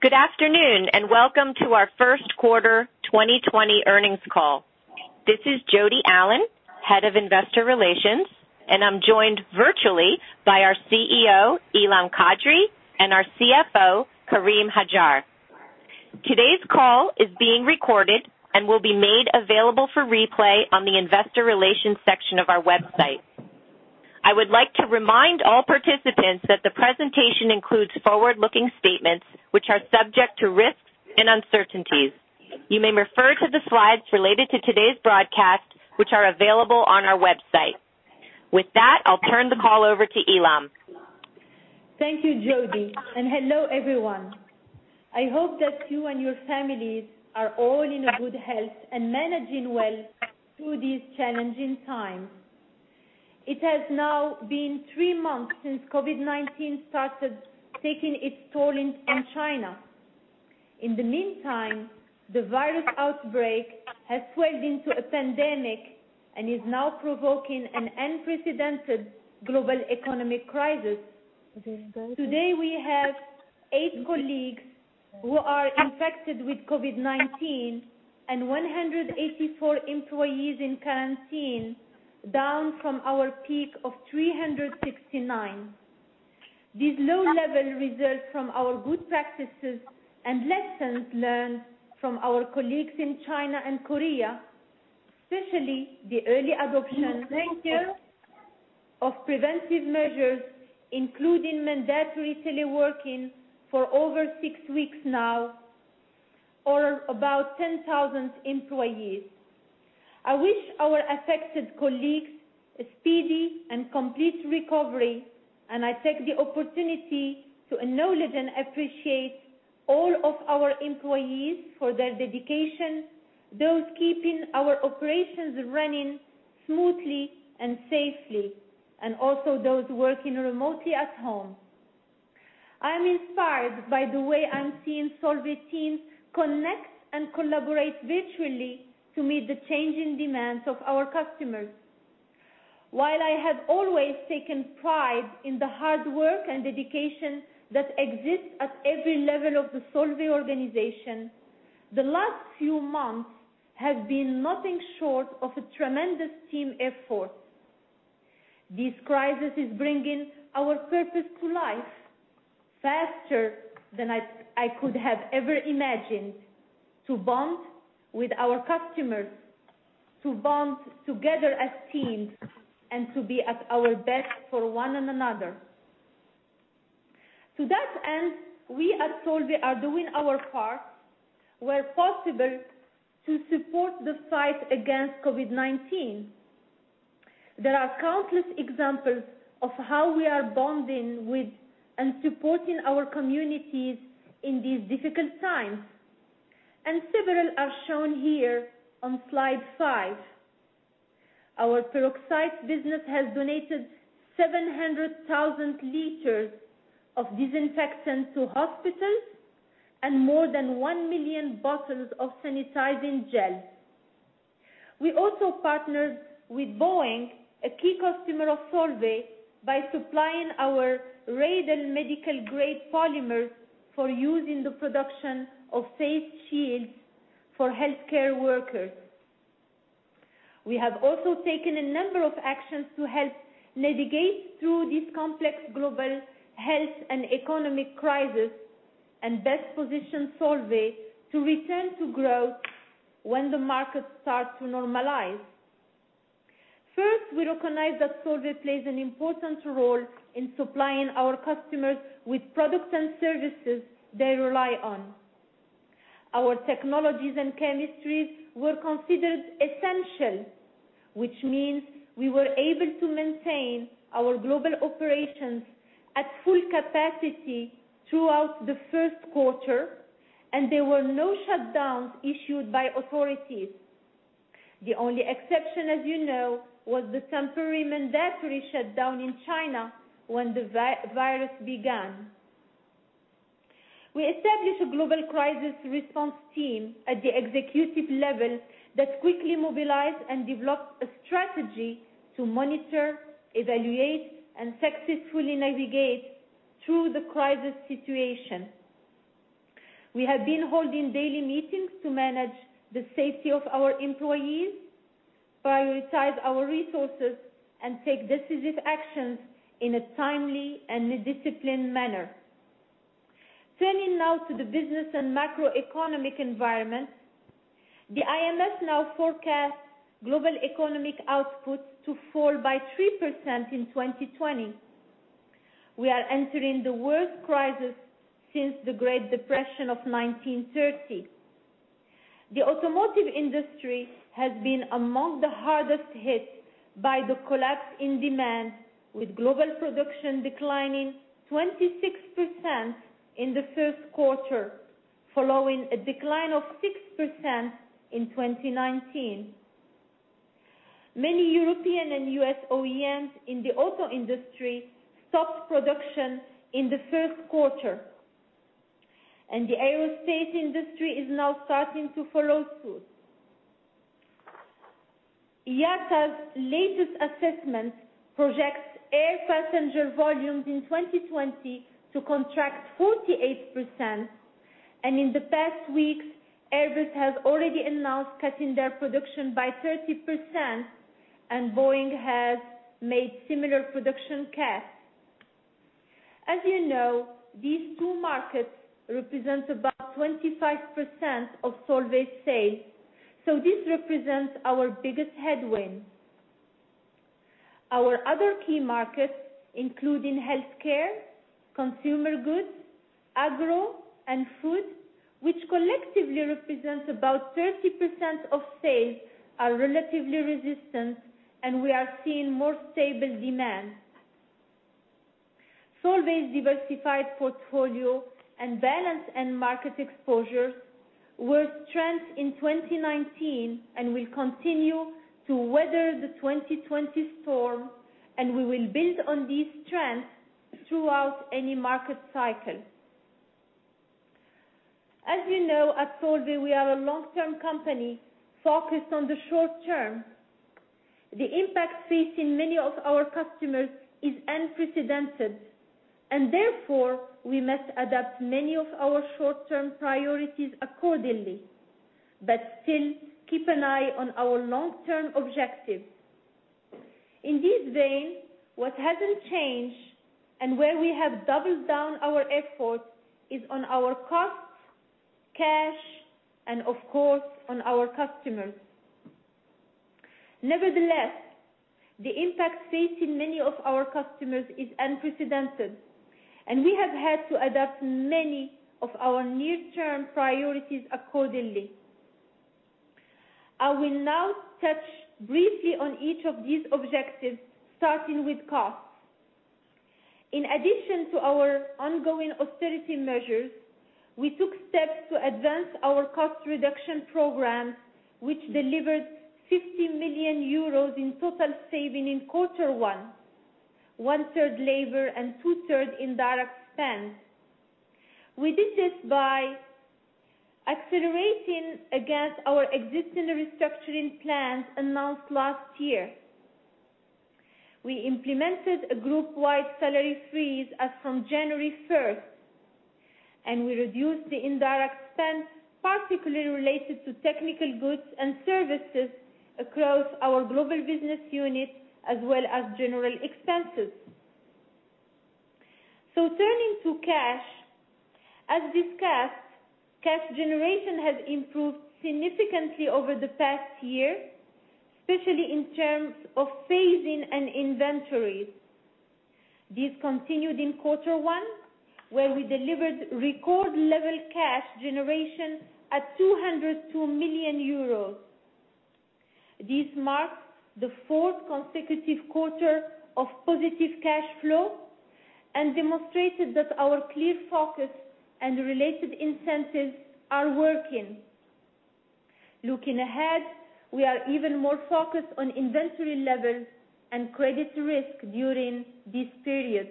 Good afternoon. Welcome to our First Quarter 2020 Earnings Call. This is Jodi Allen, Head of Investor Relations, and I'm joined virtually by our CEO, Ilham Kadri, and our CFO, Karim Hajjar. Today's call is being recorded and will be made available for replay on the investor relations section of our website. I would like to remind all participants that the presentation includes forward-looking statements, which are subject to risks and uncertainties. You may refer to the slides related to today's broadcast, which are available on our website. With that, I'll turn the call over to Ilham. Thank you, Jodi, and hello, everyone. I hope that you and your families are all in good health and managing well through these challenging times. It has now been three months since COVID-19 started taking its toll in China. In the meantime, the virus outbreak has swelled into a pandemic and is now provoking an unprecedented global economic crisis. Today we have eight colleagues who are infected with COVID-19 and 184 employees in quarantine, down from our peak of 369. These low levels result from our good practices and lessons learned from our colleagues in China and Korea, especially the early adoption of preventive measures, including mandatory teleworking for over six weeks now, or about 10,000 employees. I wish our affected colleagues a speedy and complete recovery, and I take the opportunity to acknowledge and appreciate all of our employees for their dedication, those keeping our operations running smoothly and safely, and also those working remotely at home. I am inspired by the way I'm seeing Solvay teams connect and collaborate virtually to meet the changing demands of our customers. While I have always taken pride in the hard work and dedication that exists at every level of the Solvay organization, the last few months have been nothing short of a tremendous team effort. This crisis is bringing our purpose to life faster than I could have ever imagined to bond with our customers, to bond together as teams, and to be at our best for one another. To that end, we at Solvay are doing our part where possible to support the fight against COVID-19. There are countless examples of how we are bonding with and supporting our communities in these difficult times, and several are shown here on slide five. Our peroxides business has donated 700,000 liters of disinfectant to hospitals and more than 1 million bottles of sanitizing gel. We also partnered with Boeing, a key customer of Solvay, by supplying our Radel medical-grade polymers for use in the production of face shields for healthcare workers. We have also taken a number of actions to help navigate through this complex global health and economic crisis and best position Solvay to return to growth when the markets start to normalize. First, we recognize that Solvay plays an important role in supplying our customers with products and services they rely on. Our technologies and chemistries were considered essential, which means we were able to maintain our global operations at full capacity throughout the first quarter, and there were no shutdowns issued by authorities. The only exception, as you know, was the temporary mandatory shutdown in China when the virus began. We established a global crisis response team at the executive level that quickly mobilized and developed a strategy to monitor, evaluate, and successfully navigate through the crisis situation. We have been holding daily meetings to manage the safety of our employees, prioritize our resources, and take decisive actions in a timely and disciplined manner. Turning now to the business and macroeconomic environment. The IMF now forecasts global economic output to fall by 3% in 2020. We are entering the worst crisis since the Great Depression of 1930. The automotive industry has been among the hardest hit by the collapse in demand, with global production declining 26%, in the first quarter, following a decline of 6% in 2019. Many European and U.S. OEMs in the auto industry stopped production in the first quarter, and the aerospace industry is now starting to follow suit. IATA's latest assessment projects air passenger volumes in 2020 to contract 48%, and in the past weeks, Airbus has already announced cutting their production by 30%, and Boeing has made similar production cuts. As you know, these two markets represent about 25%, of Solvay's sales, so this represents our biggest headwind. Our other key markets, including healthcare, consumer goods, agro, and food, which collectively represents about 30% of sales, are relatively resistant, and we are seeing more stable demand. Solvay's diversified portfolio and balanced end-market exposure were strengths in 2019 and will continue to weather the 2020 storm. We will build on these strengths throughout any market cycle. As you know, at Solvay, we are a long-term company focused on the short-term. The impact facing many of our customers is unprecedented. Therefore we must adapt many of our short-term priorities accordingly but still keep an eye on our long-term objectives. In this vein, what hasn't changed and where we have doubled down our efforts is on our costs, cash, and of course, on our customers. Nevertheless, the impact facing many of our customers is unprecedented. We have had to adapt many of our near-term priorities accordingly. I will now touch briefly on each of these objectives, starting with costs. In addition to our ongoing austerity measures, we took steps to advance our cost reduction program, which delivered 50 million euros in total saving in quarter one-third labor and two-third indirect spend. We did this by accelerating against our existing restructuring plans announced last year. We implemented a group-wide salary freeze as from January 1st, and we reduced the indirect spend, particularly related to technical goods and services across our global business units as well as general expenses. Turning to cash, as discussed, cash generation has improved significantly over the past year, especially in terms of phasing and inventories. This continued in quarter one, where we delivered record-level cash generation at 202 million euros. This marks the fourth consecutive quarter of positive cash flow and demonstrated that our clear focus and related incentives are working. Looking ahead, we are even more focused on inventory levels and credit risk during this period.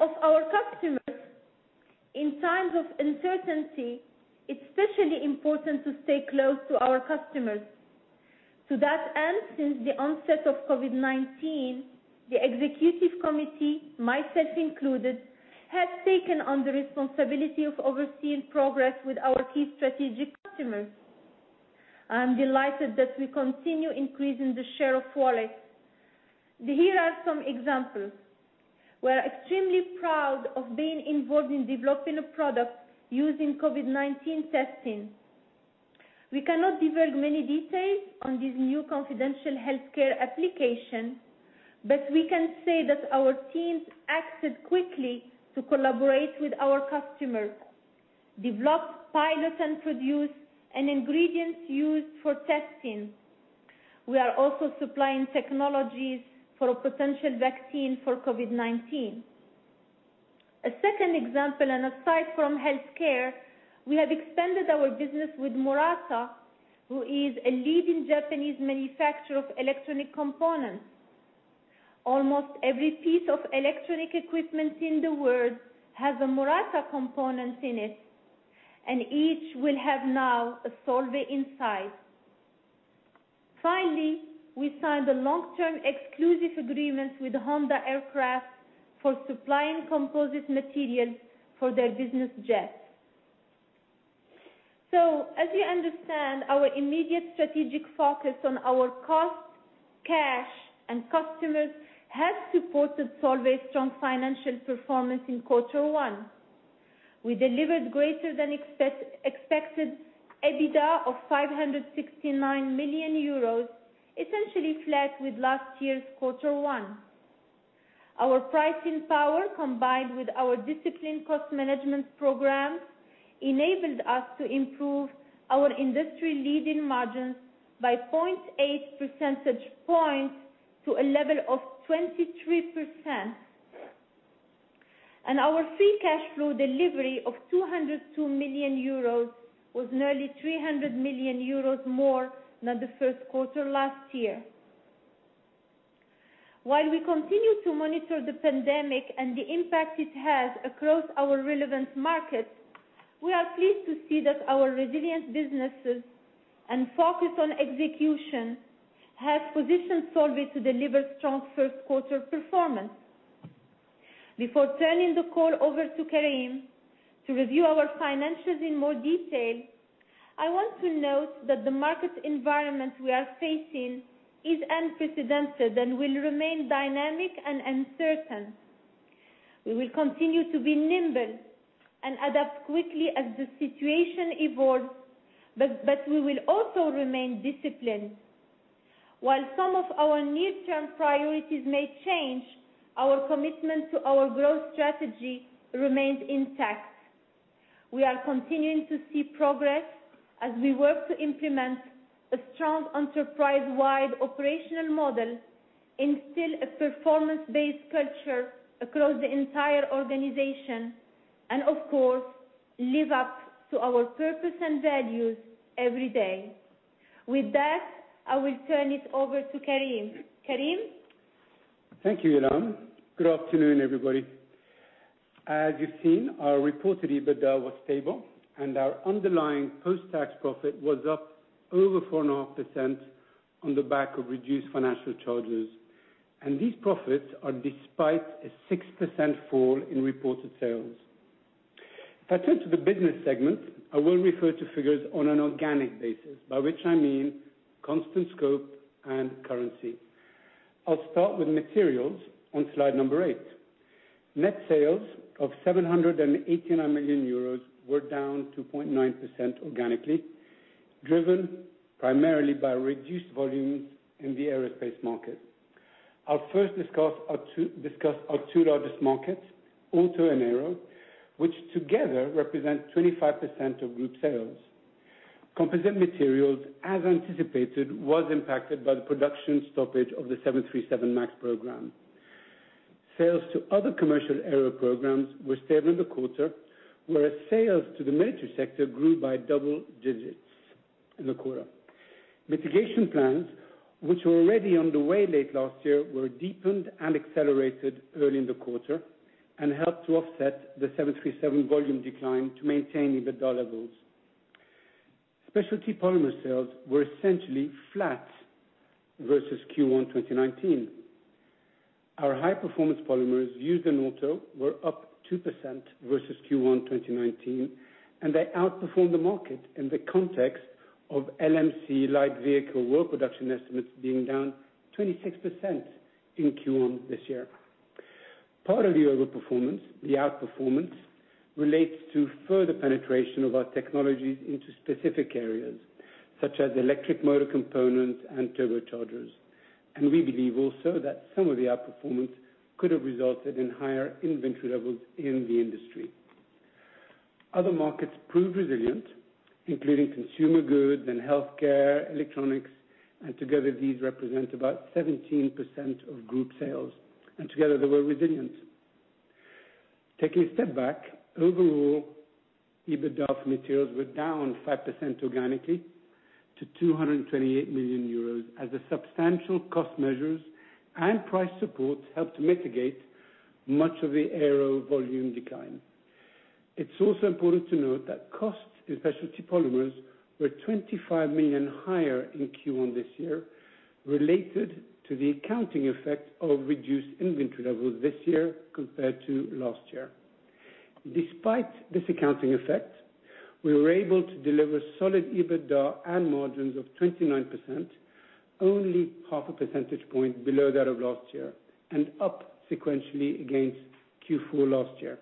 Of our customers, in times of uncertainty, it's especially important to stay close to our customers. To that end, since the onset of COVID-19, the executive committee, myself included, has taken on the responsibility of overseeing progress with our key strategic customers. I'm delighted that we continue increasing the share of wallet. Here are some examples. We're extremely proud of being involved in developing a product used in COVID-19 testing. We cannot divulge many details on this new confidential healthcare application, but we can say that our teams acted quickly to collaborate with our customers, develop, pilot, and produce an ingredient used for testing. We are also supplying technologies for a potential vaccine for COVID-19. A second example, and aside from healthcare, we have expanded our business with Murata, who is a leading Japanese manufacturer of electronic components. Almost every piece of electronic equipment in the world has a Murata component in it, and each will have now a Solvay inside. Finally, we signed a long-term exclusive agreement with Honda Aircraft for supplying Composite Materials for their business jets. As you understand, our immediate strategic focus on our costs, cash, and customers has supported Solvay's strong financial performance in quarter one. We delivered greater than expected EBITDA of 569 million euros, essentially flat with last year's quarter one. Our pricing power, combined with our disciplined cost management programs, enabled us to improve our industry-leading margins by 0.8 percentage points to a level of 23%. Our free cash flow delivery of 202 million euros was nearly 300 million euros more than the first quarter last year. While we continue to monitor the pandemic and the impact it has across our relevant markets, we are pleased to see that our resilient businesses and focus on execution have positioned Solvay to deliver strong first quarter performance. Before turning the call over to Karim, to review our financials in more detail, I want to note that the market environment we are facing is unprecedented and will remain dynamic and uncertain. We will continue to be nimble and adapt quickly as the situation evolves, but we will also remain disciplined. While some of our near-term priorities may change, our commitment to our growth strategy remains intact. We are continuing to see progress as we work to implement a strong enterprise-wide operational model, instill a performance-based culture across the entire organization, and of course, live up to our purpose and values every day. With that, I will turn it over to Karim. Karim? Thank you, Ilham. Good afternoon, everybody. As you've seen, our reported EBITDA was stable, our underlying post-tax profit was up over 4.5%, on the back of reduced financial charges. These profits are despite a 6%, fall in reported sales. If I turn to the business segment, I will refer to figures on an organic basis, by which I mean constant scope and currency. I'll start with materials on slide number eight. Net sales of 789 million euros were down 2.9%, organically, driven primarily by reduced volumes in the aerospace market. I'll first discuss our two largest markets, auto and aero, which together represent 25%, of group sales. Composite Materials, as anticipated, was impacted by the production stoppage of the 737 MAX program. Sales to other commercial aero programs were stable in the quarter, whereas sales to the military sector grew by double digits in the quarter. Mitigation plans, which were already underway late last year, were deepened and accelerated early in the quarter and helped to offset the 737 volume decline to maintain EBITDA levels. Specialty Polymers sales were essentially flat versus Q1 2019. Our high-performance polymers used in auto were up 2%, versus Q1 2019, and they outperformed the market in the context of LMC light vehicle world production estimates being down 26%, in Q1 this year. Part of the outperformance relates to further penetration of our technologies into specific areas, such as electric motor components and turbochargers. We believe also that some of the outperformance could have resulted in higher inventory levels in the industry. Other markets proved resilient, including consumer goods and healthcare, electronics, and together these represent about 17%, of group sales, and together they were resilient. Taking a step back, overall, EBITDA of materials were down 5%, organically to 228 million euros as the substantial cost measures and price supports helped to mitigate much of the aero volume decline. It is also important to note that costs in specialty polymers were 25 million higher in Q1 this year, related to the accounting effect of reduced inventory levels this year compared to last year. Despite this accounting effect, we were able to deliver solid EBITDA and margins of 29%, only half a percentage point below that of last year, and up sequentially against Q4 last year.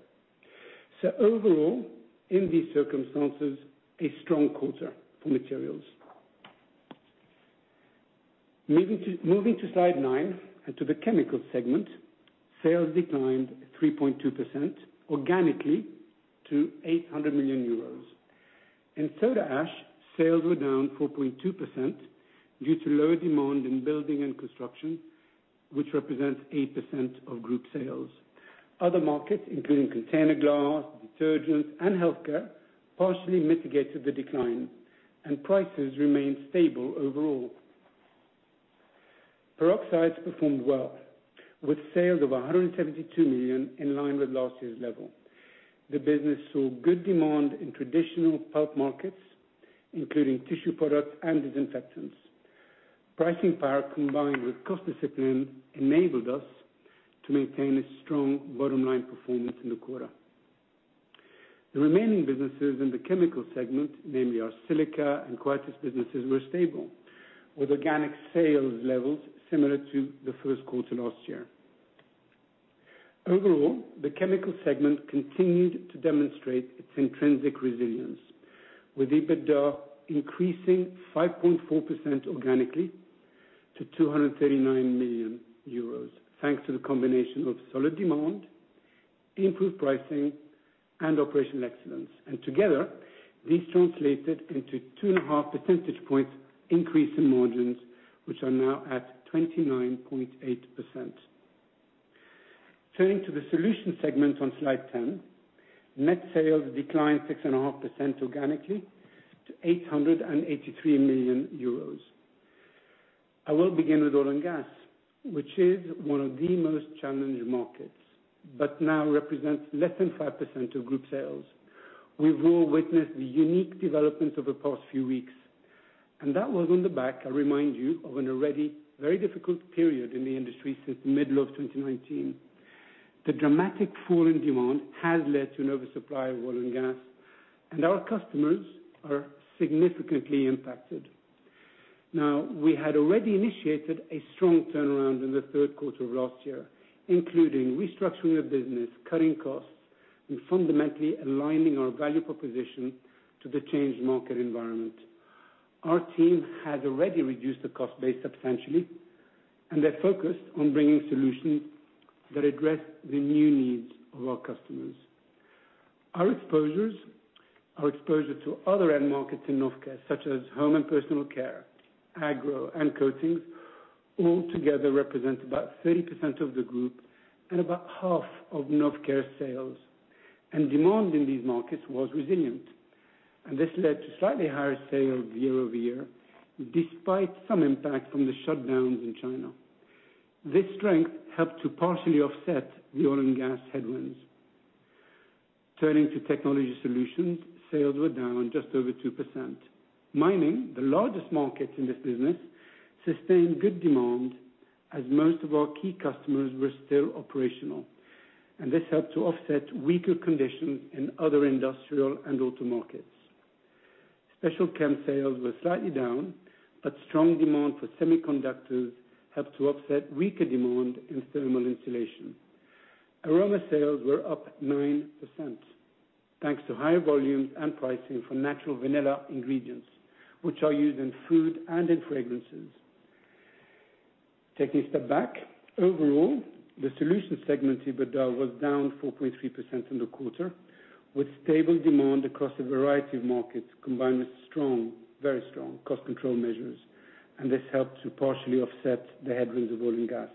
Overall, in these circumstances, a strong quarter for materials. Moving to slide nine and to the chemical segment, sales declined 3.2%, organically to 800 million euros. In soda ash, sales were down 4.2%, due to lower demand in building and construction, which represents 8%, of group sales. Other markets, including container glass, detergents, and healthcare, partially mitigated the decline, and prices remained stable overall. peroxides performed well with sales of 172 million in line with last year's level. The business saw good demand in traditional pulp markets, including tissue products and disinfectants. Pricing power, combined with cost discipline, enabled us to maintain a strong bottom-line performance in the quarter. The remaining businesses in the chemical segment, namely our silica and Coatis businesses, were stable, with organic sales levels similar to the first quarter last year. Overall, the chemical segment continued to demonstrate its intrinsic resilience, with EBITDA increasing 5.4%, organically to 239 million euros, thanks to the combination of solid demand, improved pricing, and operational excellence. Together, these translated into 2.5 percentage points increase in margins, which are now at 29.8%. Turning to the solutions segment on slide 10, net sales declined 6.5%, organically to 883 million euros. I will begin with oil and gas, which is one of the most challenged markets, but now represents less than 5%, of group sales. We've all witnessed the unique developments of the past few weeks, and that was on the back, I remind you, of an already very difficult period in the industry since the middle of 2019. The dramatic fall in demand has led to an oversupply of oil and gas, and our customers are significantly impacted. Now, we had already initiated a strong turnaround in the third quarter of last year, including restructuring the business, cutting costs, and fundamentally aligning our value proposition to the changed market environment. Our team has already reduced the cost base substantially, and they're focused on bringing solutions that address the new needs of our customers. Our exposure to other end markets in Novecare, such as home and personal care, agro, and coatings, all together represent about 30%, of the group and about half of Novecare sales. Demand in these markets was resilient, and this led to slightly higher sales year-over-year, despite some impact from the shutdowns in China. This strength helped to partially offset the oil and gas headwinds. Turning to Technology Solutions, sales were down just over 2%. Mining, the largest market in this business, sustained good demand as most of our key customers were still operational, and this helped to offset weaker conditions in other industrial and auto markets. Special Chem sales were slightly down, but strong demand for semiconductors helped to offset weaker demand in thermal insulation. Aroma sales were up 9%, thanks to higher volumes and pricing for natural vanilla ingredients, which are used in food and in fragrances. Taking a step back, overall, the solutions segment EBITDA was down 4.3%, in the quarter, with stable demand across a variety of markets, combined with strong, very strong cost control measures, and this helped to partially offset the headwinds of oil and gas.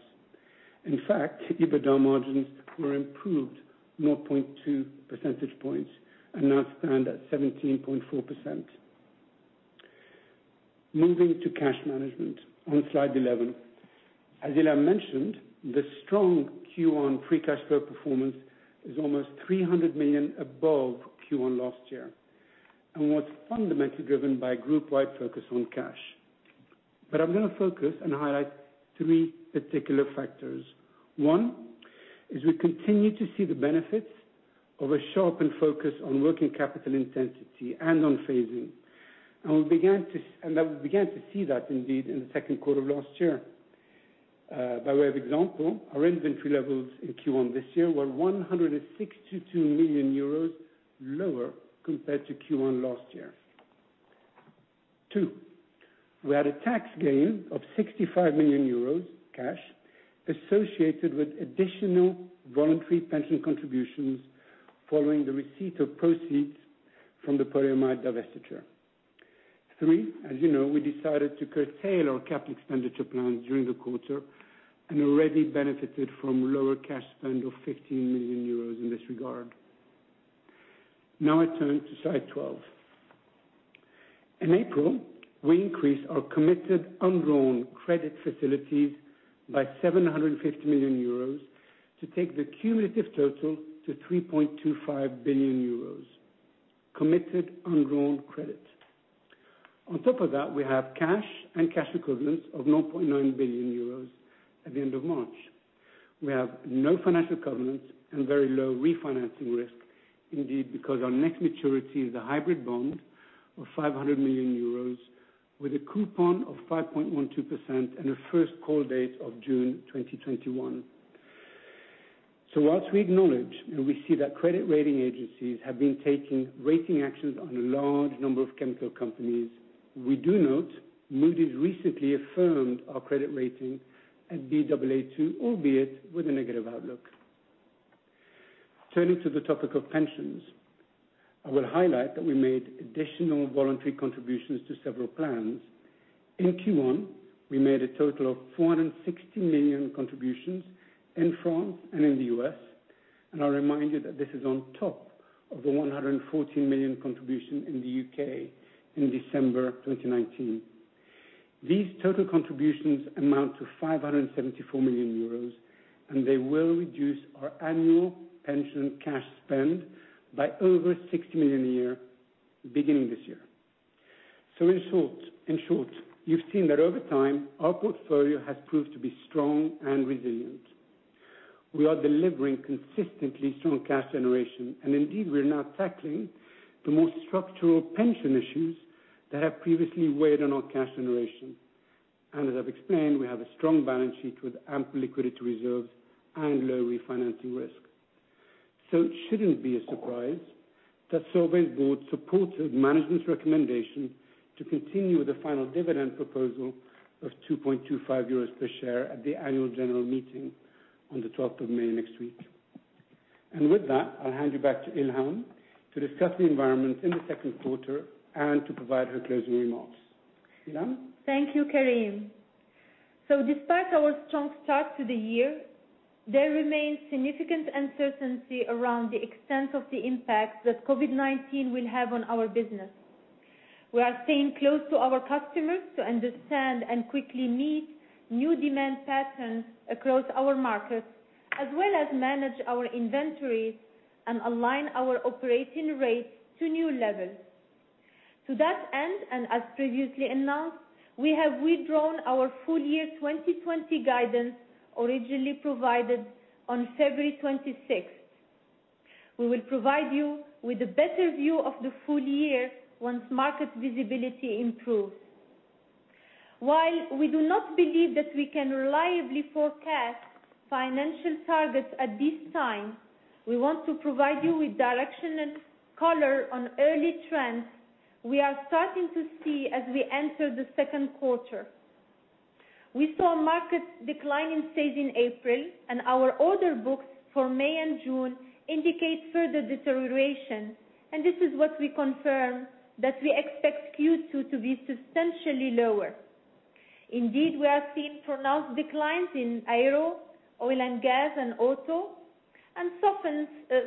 In fact, EBITDA margins were improved 0.2 percentage points and now stand at 17.4%. Moving to cash management on slide 11. As I mentioned, the strong Q1 free cash flow performance is almost 300 million above Q1 last year and was fundamentally driven by group-wide focus on cash. I'm going to focus and highlight three particular factors. One, is we continue to see the benefits of a sharpened focus on working capital intensity and on phasing, and we began to see that indeed in the second quarter of last year. Two, we had a tax gain of 65 million euros cash associated with additional voluntary pension contributions following the receipt of proceeds from the polyamide divestiture. Three, as you know, we decided to curtail our capital expenditure plan during the quarter and already benefited from lower cash spend of 15 million euros in this regard. Now I turn to slide 12. In April, we increased our committed undrawn credit facilities by 750 million euros to take the cumulative total to 3.25 billion euros committed undrawn credit. On top of that, we have cash and cash equivalents of 0.9 billion euros at the end of March. We have no financial covenants and very low refinancing risk indeed because our next maturity is a hybrid bond of 500 million euros with a coupon of 5.12%, and a first call date of June 2021. Whilst we acknowledge and we see that credit rating agencies have been taking rating actions on a large number of chemical companies, we do note Moody's recently affirmed our credit rating at Baa2, albeit with a negative outlook. Turning to the topic of pensions, I will highlight that we made additional voluntary contributions to several plans. In Q1, we made a total of 460 million contributions in France and in the U.S., and I remind you that this is on top of the 114 million contribution in the U.K. in December 2019. These total contributions amount to 574 million euros. They will reduce our annual pension cash spend by over 60 million a year, beginning this year. In short, you've seen that over time, our portfolio has proved to be strong and resilient. We are delivering consistently strong cash generation. Indeed, we are now tackling the most structural pension issues that have previously weighed on our cash generation. As I've explained, we have a strong balance sheet with ample liquidity reserves and low refinancing risk. It should not be a surprise that Solvay's board supported management's recommendation to continue with the final dividend proposal of 2.25 euros per share at the annual general meeting on the 12th of May next week. With that, I'll hand you back to Ilham to discuss the environment in the second quarter and to provide her closing remarks. Ilham? Thank you, Karim. Despite our strong start to the year, there remains significant uncertainty around the extent of the impact that COVID-19 will have on our business. We are staying close to our customers to understand and quickly meet new demand patterns across our markets, as well as manage our inventories and align our operating rates to new levels. To that end, and as previously announced, we have withdrawn our full year 2020 guidance originally provided on February 26th. We will provide you with a better view of the full year once market visibility improves. While we do not believe that we can reliably forecast financial targets at this time, we want to provide you with direction and color on early trends we are starting to see as we enter the second quarter. We saw markets decline in sales in April, and our order books for May and June indicate further deterioration. This is what we confirm that we expect Q2 to be substantially lower. Indeed, we are seeing pronounced declines in aero, oil and gas, and auto, and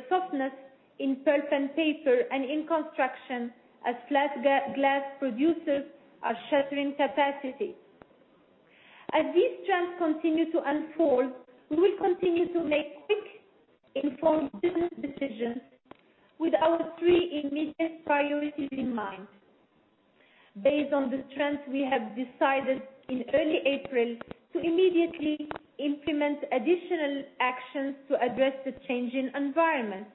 softness in pulp and paper and in construction as flat glass producers are shuttering capacity. As these trends continue to unfold, we will continue to make quick, informed business decisions with our three immediate priorities in mind. Based on the trends we have decided in early April to immediately implement additional actions to address the changing environment.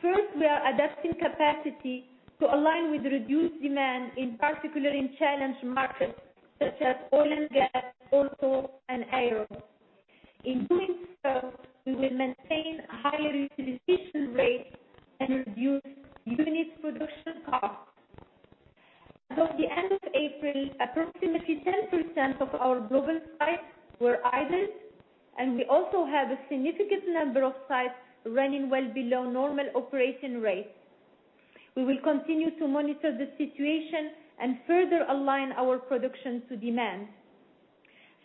First, we are adapting capacity to align with reduced demand, in particular in challenged markets such as oil and gas, auto, and aero. In doing so, we will maintain higher utilization rates and reduce unit production costs. As of the end of April, approximately 10%, of our global sites were idle, and we also have a significant number of sites running well below normal operating rates. We will continue to monitor the situation and further align our production to demand.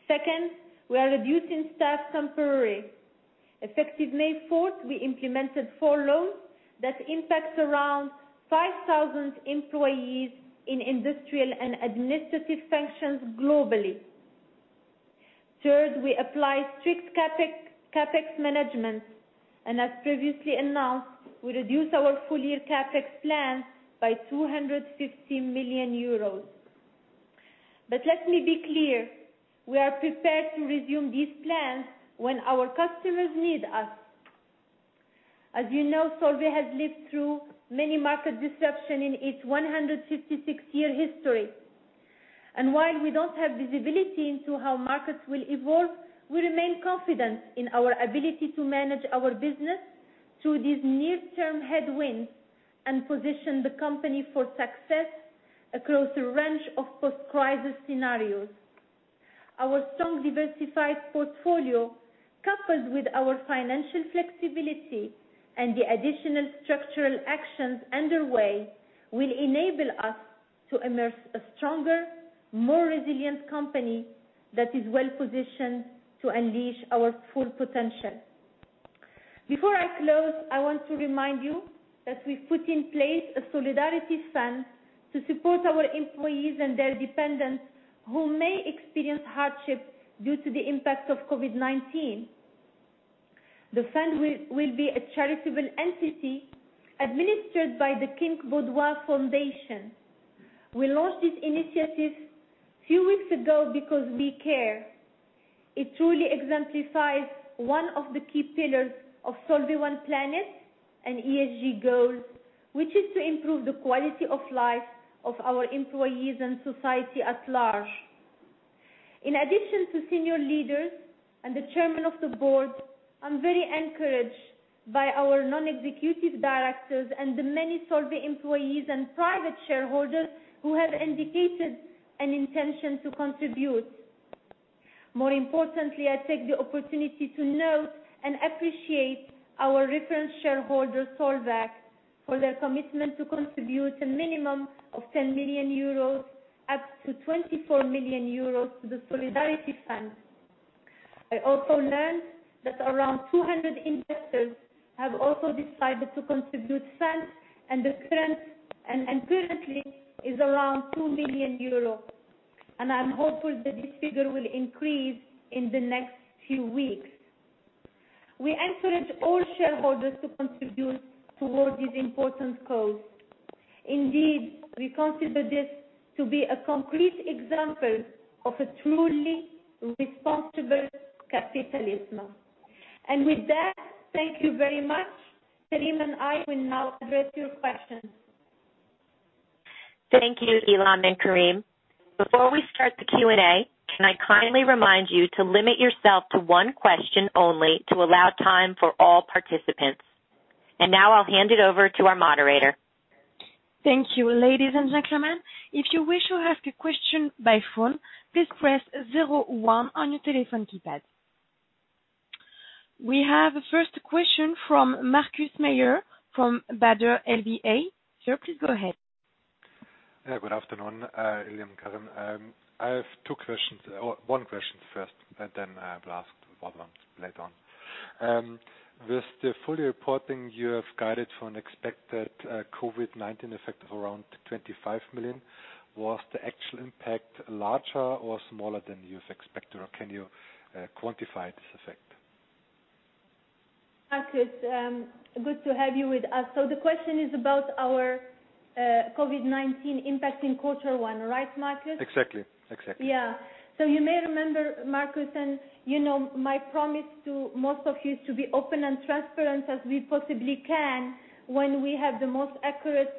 Second, we are reducing staff temporarily. Effective May 4th, we implemented furloughs that impacts around 5,000 employees in industrial and administrative functions globally. Third, we apply strict CapEx management, and as previously announced, we reduce our full-year CapEx plan by 250 million euros. Let me be clear, we are prepared to resume these plans when our customers need us. As you know, Solvay has lived through many market disruptions in its 156-year history. While we don't have visibility into how markets will evolve, we remain confident in our ability to manage our business through these near-term headwinds and position the company for success across a range of post-crisis scenarios. Our strong, diversified portfolio, coupled with our financial flexibility and the additional structural actions underway, will enable us to emerge a stronger, more resilient company that is well-positioned to unleash our full potential. Before I close, I want to remind you that we've put in place a solidarity fund to support our employees and their dependents who may experience hardship due to the impact of COVID-19. The fund will be a charitable entity administered by the King Baudouin Foundation. We launched this initiative a few weeks ago because we care. It truly exemplifies one of the key pillars of Solvay One Planet and ESG goals, which is to improve the quality of life of our employees and society at large. In addition to senior leaders and the chairman of the board, I'm very encouraged by our non-executive directors and the many Solvay employees and private shareholders who have indicated an intention to contribute. More importantly, I take the opportunity to note and appreciate our reference shareholder, Solvac, for their commitment to contribute a minimum of 10 million euros up to 24 million euros to the solidarity fund. I also learned that around 200 investors have also decided to contribute funds, and currently is around 2 million euros. I'm hopeful that this figure will increase in the next few weeks. We encourage all shareholders to contribute towards this important cause. Indeed, we consider this to be a concrete example of a truly responsible capitalism. With that, thank you very much. Karim and I will now address your questions. Thank you, Ilham and Karim. Before we start the Q&A, can I kindly remind you to limit yourself to one question only to allow time for all participants. Now I'll hand it over to our moderator Thank you, ladies and gentlemen. If you wish to ask a question by phone, please press zero one on your telephone keypad. We have the first question from Markus Mayer from Baader Helvea. Sir, please go ahead. Yeah, good afternoon, Ilham, Karim. I have two questions. One question first, and then I will ask one more later on. With the full-year reporting, you have guided for an expected COVID-19 effect of around 25 million. Was the actual impact larger or smaller than you expected, or can you quantify this effect? Markus, good to have you with us. The question is about our COVID-19 impact in quarter one, right, Markus? Exactly. Yeah. You may remember, Markus Mayer, and you know my promise to most of you is to be open and transparent as we possibly can when we have the most accurate,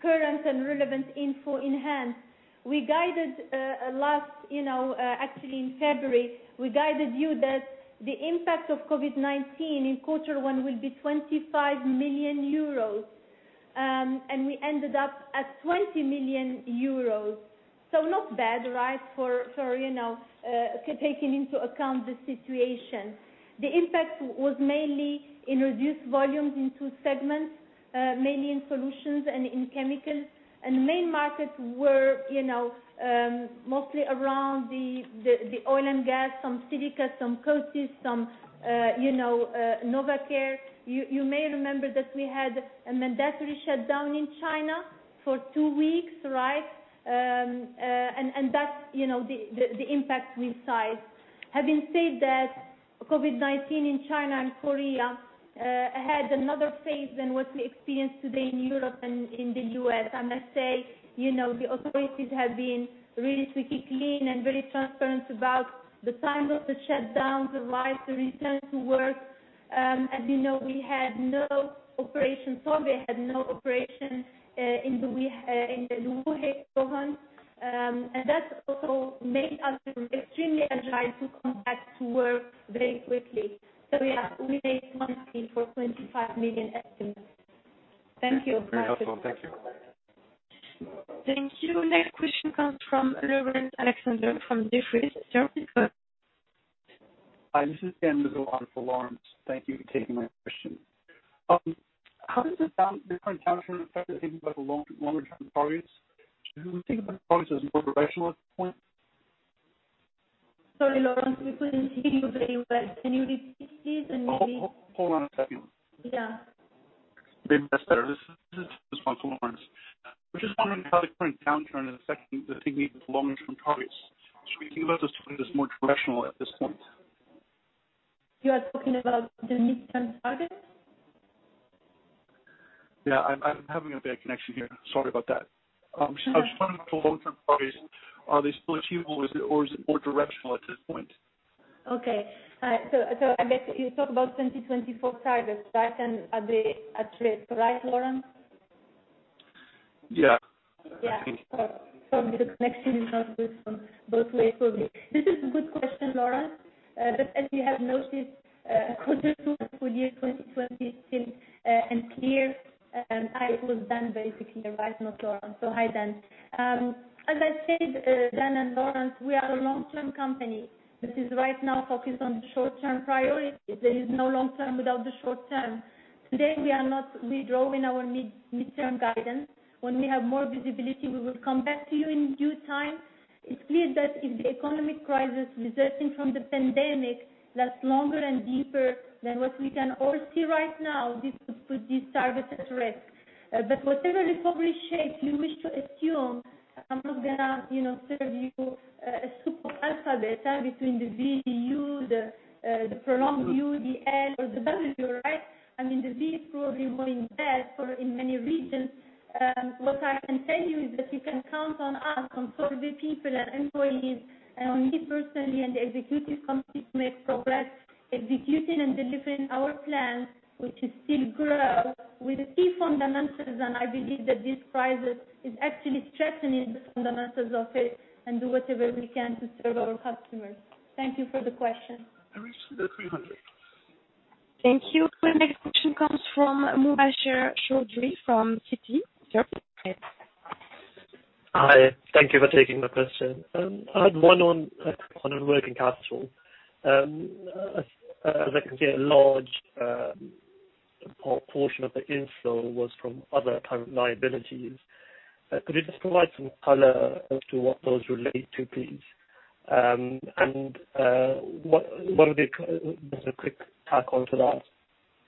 current, and relevant info in hand. Actually, in February, we guided you that the impact of COVID-19 in quarter one will be 25 million euros, and we ended up at 20 million euros. Not bad, right, for taking into account the situation. The impact was mainly in reduced volumes in two segments, mainly in solutions and in chemicals, and the main markets were mostly around the oil and gas, some silica, some coatings, some Novecare. You may remember that we had a mandatory shutdown in China for two weeks, right? That's the impact we sized. Having said that, COVID-19 in China and Korea had another phase than what we experience today in Europe and in the U.S. I must say, the authorities have been really super clean and very transparent about the time of the shutdown, the rise, the return to work. As you know, we had no operations. Solvay had no operations in Wuhan. That also made us extremely agile to come back to work very quickly. Yeah, we made monthly for 25 million estimate. Thank you, Markus. Very helpful. Thank you. Thank you. Next question comes from Laurence Alexander from Jefferies. Sir, please go ahead. Hi, this is Dan McDonald for Laurence. Thank you for taking my question. How does the current context affect you thinking about the longer-term targets? Should we think about the targets as more directional at this point? Sorry, Laurence, we couldn't hear you very well. Can you repeat, please? Hold on a second. Yeah. Maybe that's better. This is Laurence. I'm just wondering how the current downturn is affecting the thinking of the long-term targets. Should we think about this more directional at this point? You are talking about the midterm target? I'm having a bad connection here. Sorry about that. I was just wondering for long-term targets, are they still achievable, or is it more directional at this point? Okay. I guess you talk about 2024 targets, right? And are they at risk, right, Laurence? Yeah. Yeah. Sorry, the connection is not good from both ways for me. This is a good question, Laurence. As you have noticed, quarter two for 2020 is still unclear. I was Dan, basically. Right? Not Laurence. Hi, Dan. As I said, Dan and Laurence, we are a long-term company that is right now focused on the short-term priorities. There is no long-term without the short-term. Today, we are not redrawing our midterm guidance. When we have more visibility, we will come back to you in due time. It's clear that if the economic crisis resulting from the pandemic lasts longer and deeper than what we can all see right now, this could put these targets at risk. Whatever recovery shape you wish to assume, I'm not going to serve you a soup of alphabet between the V, U, the prolonged U, the N, or the W, right? I mean, the V is probably more in effect in many regions. What I can tell you is that you can count on us, on Solvay people and employees, and me personally, and the executive committee to make progress executing and delivering our plan, which is still grow. We see fundamentals, and I believe that this crisis is actually strengthening the fundamentals of it and do whatever we can to serve our customers. Thank you for the question. I reached the 300. Thank you. The next question comes from Mubasher Chaudhry from Citi. Sir. Hi. Thank you for taking my question. I had one on working capital. As I can see, a large portion of the inflow was from other current liabilities. Could you just provide some color as to what those relate to, please? Just a quick tack on to that.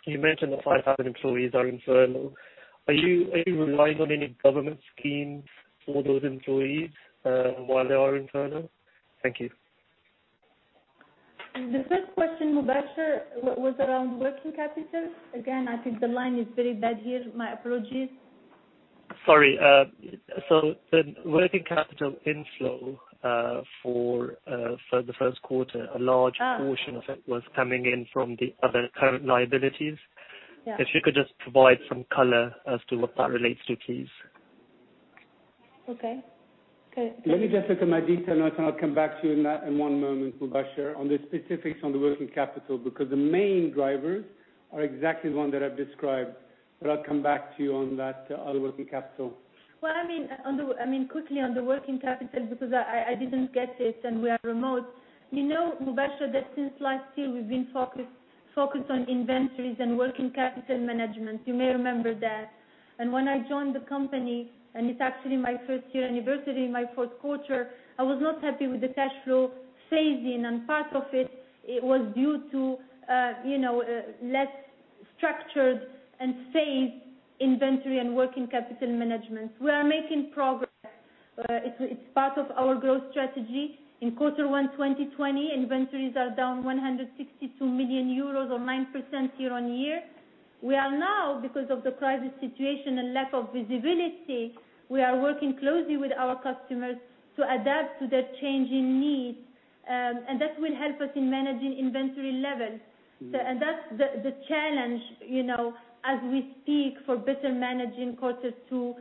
You mentioned that 5,000 employees are internal. Are you relying on any government schemes for those employees while they are internal? Thank you. The first question, Mubasher, was around working capital. Again, I think the line is very bad here. My apologies. Sorry. The working capital inflow for the first quarter. portion of it was coming in from the other current liabilities. Yeah. If you could just provide some color as to what that relates to, please? Okay. Good. Let me just look at my detail, and I'll come back to you in one moment, Mubasher, on the specifics on the working capital, because the main drivers are exactly the one that I've described. I'll come back to you on that, on working capital. Quickly on the working capital, because I didn't get it and we are remote. You know, Mubasher, that since last year, we've been focused on inventories and working capital management. You may remember that. When I joined the company, and it's actually my first year anniversary, my fourth quarter, I was not happy with the cash flow phasing and part of it was due to less structured and phased inventory and working capital management. We are making progress. It's part of our growth strategy. In quarter one 2020, inventories are down 162 million euros or 9%, year-on-year. We are now, because of the crisis situation and lack of visibility, we are working closely with our customers to adapt to their changing needs, and that will help us in managing inventory levels. That's the challenge, as we speak, for better managing quarters 2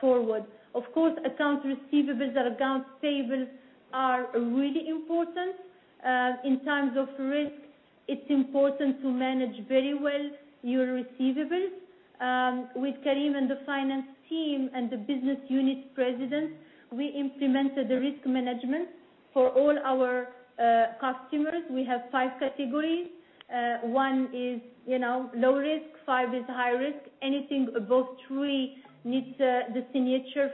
forward. Of course, accounts receivables or accounts payables are really important. In times of risk, it's important to manage very well your receivables. With Karim and the finance team and the business unit presidents, we implemented the risk management for all our customers. We have 5 categories. 1 is low risk, 5 is high risk. Anything above three needs the signature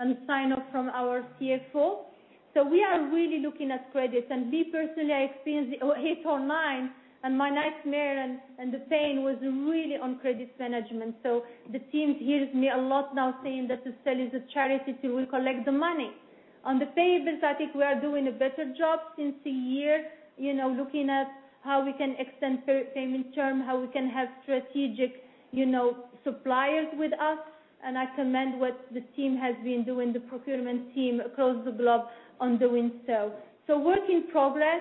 and sign-off from our CFO. We are really looking at credits. Me personally, I experienced it 8 or nine, and my nightmare and the pain was really on credits management. The team hears me a lot now saying that to sell is a charity, so we'll collect the money. On the payables, I think we are doing a better job since a year, looking at how we can extend payment term, how we can have strategic suppliers with us. I commend what the team has been doing, the procurement team across the globe on doing so. Work in progress.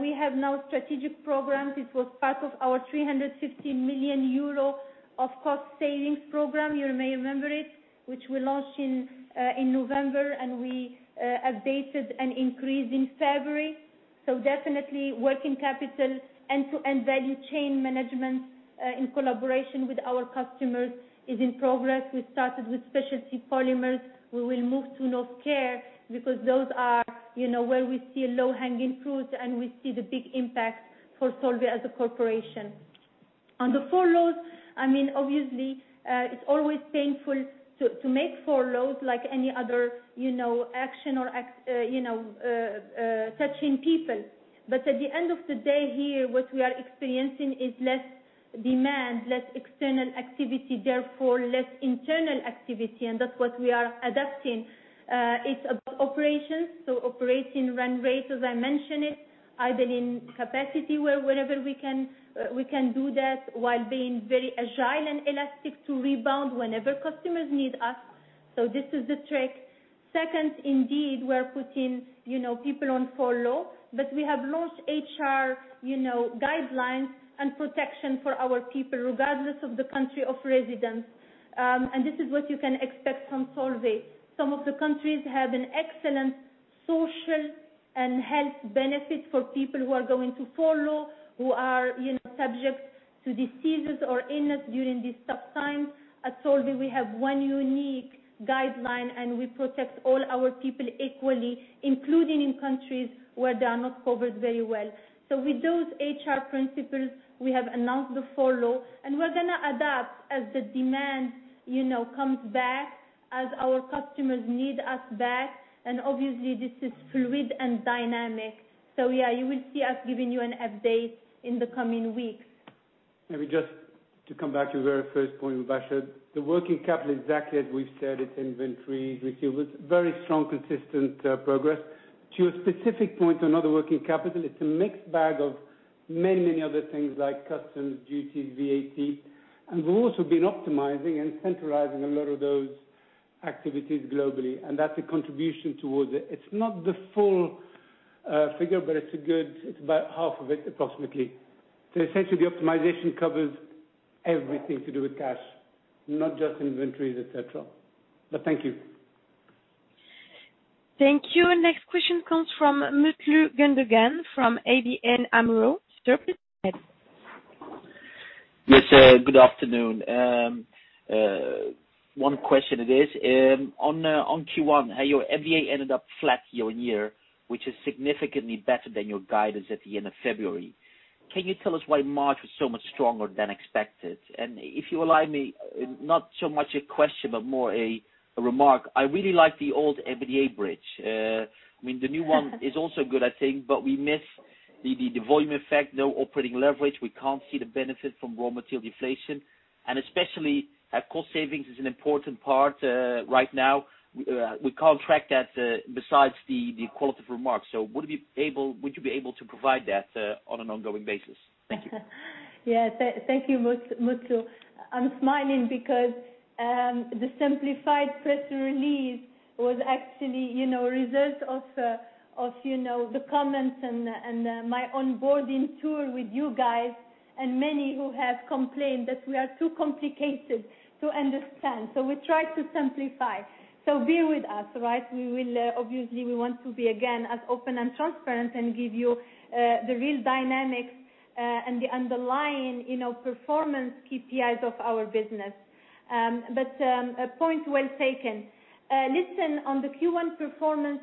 We have now strategic programs. It was part of our 350 million euro of cost savings program, you may remember it, which we launched in November, and we updated and increased in February. Definitely working capital end-to-end value chain management, in collaboration with our customers, is in progress. We started with Specialty Polymers. We will move to Novecare because those are where we see low-hanging fruit and we see the big impact for Solvay as a corporation. On the furloughs, obviously, it's always painful to make furloughs like any other action touching people. At the end of the day here, what we are experiencing is less demand, less external activity, therefore less internal activity, and that's what we are adapting. It's about operations. Operating run rate, as I mention it, idling capacity wherever we can do that while being very agile and elastic to rebound whenever customers need us. This is the trick. Second, indeed, we're putting people on furlough, but we have launched HR guidelines and protection for our people, regardless of the country of residence. This is what you can expect from Solvay. Some of the countries have an excellent social and health benefit for people who are going to furlough, who are subject to diseases or illness during these tough times. At Solvay, we have one unique guideline and we protect all our people equally, including in countries where they are not covered very well. With those HR principles, we have announced the furlough, and we’re going to adapt as the demand comes back, as our customers need us back, and obviously this is fluid and dynamic. Yeah, you will see us giving you an update in the coming weeks. Maybe just to come back to your very first point, Mubasher. The working capital, exactly as we've said, it's inventory receivables. Very strong, consistent progress. To a specific point on other working capital, it's a mixed bag of many other things like customs, duties, VAT. We've also been optimizing and centralizing a lot of those activities globally, and that's a contribution towards it. It's not the full figure, but it's about half of it, approximately. Essentially, the optimization covers everything to do with cash, not just inventories, et cetera. Thank you. Thank you. Next question comes from Mutlu Gundogan from ABN AMRO. Sir, please go ahead. Yes, good afternoon. One question it is. On Q1, how your EBITDA ended up flat year-on-year, which is significantly better than your guidance at the end of February. Can you tell us why March was so much stronger than expected? If you allow me, not so much a question, but more a remark. I really like the old EBITDA bridge. The new one is also good, I think, but we miss the volume effect, no operating leverage. We can't see the benefit from raw material deflation. Especially our cost savings is an important part right now. We can't track that besides the qualitative remarks. Would you be able to provide that on an ongoing basis? Thank you. Yeah. Thank you, Mutlu. I'm smiling because the simplified press release was actually a result of the comments and my onboarding tour with you guys, and many who have complained that we are too complicated to understand, we try to simplify. Bear with us. Obviously, we want to be, again, as open and transparent and give you the real dynamics and the underlying performance KPIs of our business. Point well taken. Listen, on the Q1 performance,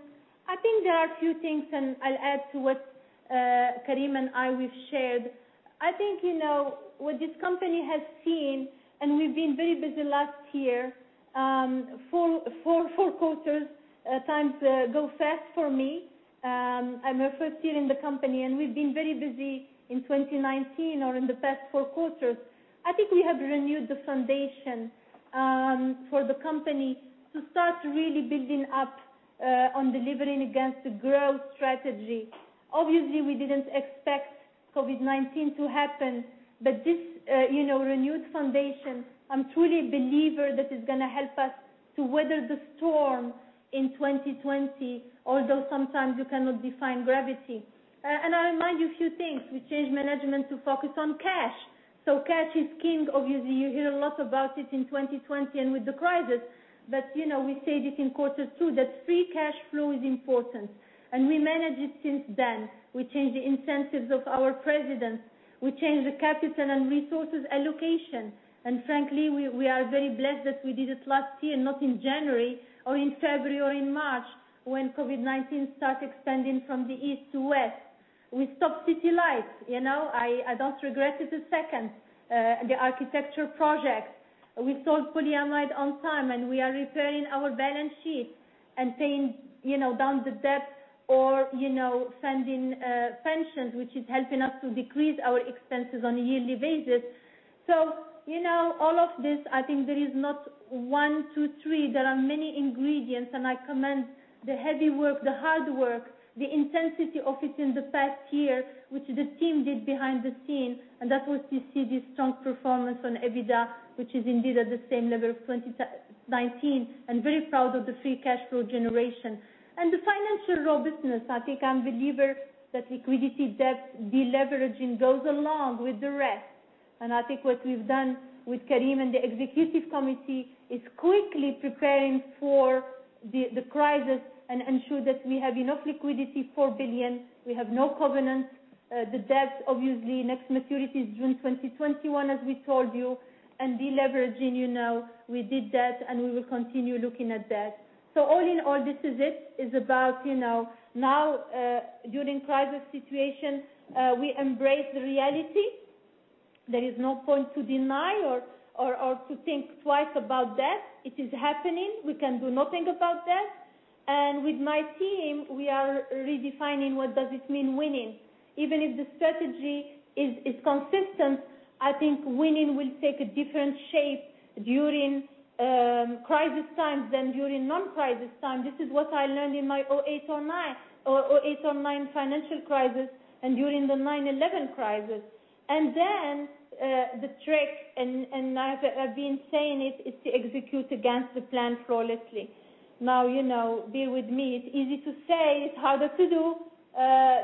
I think there are a few things, I'll add to what Karim and I, we've shared. I think what this company has seen, we've been very busy last year, four quarters. Times go fast for me. I'm at first year in the company, we've been very busy in 2019 in the past four quarters. I think we have renewed the foundation for the company to start really building up on delivering against the growth strategy. Obviously, we didn't expect COVID-19 to happen, this renewed foundation, I'm truly a believer that is going to help us to weather the storm in 2020. Although sometimes you cannot define gravity. I remind you a few things. We changed management to focus on cash. Cash is king. Obviously, you hear a lot about it in 2020 and with the crisis, we say this in quarter two, that free cash flow is important, we manage it since then. We changed the incentives of our presidents. We changed the capital and resources allocation. Frankly, we are very blessed that we did it last year, not in January or in February or in March, when COVID-19 start expanding from the east to west. We stopped Cytec. I don't regret it a second. The architecture projects. We sold polyamide on time, and we are repairing our balance sheet and paying down the debt or funding pensions, which is helping us to decrease our expenses on a yearly basis. All of this, I think there is not one, two, three. There are many ingredients, and I commend the heavy work, the hard work, the intensity of it in the past year, which the team did behind the scene, and that was to see this strong performance on EBITDA, which is indeed at the same level of 2019, and very proud of the free cash flow generation. The financial robustness. I think I'm a believer that liquidity, debt, deleveraging goes along with the rest. I think what we've done with Karim and the executive committee is quickly preparing for the crisis and ensure that we have enough liquidity, 4 billion. We have no covenants. The debt, obviously, next maturity is June 2021, as we told you, and deleveraging, we did that, and we will continue looking at that. All in all, this is it. It's about now, during crisis situation, we embrace the reality. There is no point to deny or to think twice about death. It is happening. We can do nothing about death. With my team, we are redefining what does it mean, winning. Even if the strategy is consistent, I think winning will take a different shape during crisis times than during non-crisis time. This is what I learned in my 2008, 2009 financial crisis and during the 9/11 crisis. The trick, and I've been saying it, is to execute against the plan flawlessly. Bear with me. It's easy to say, it's harder to do,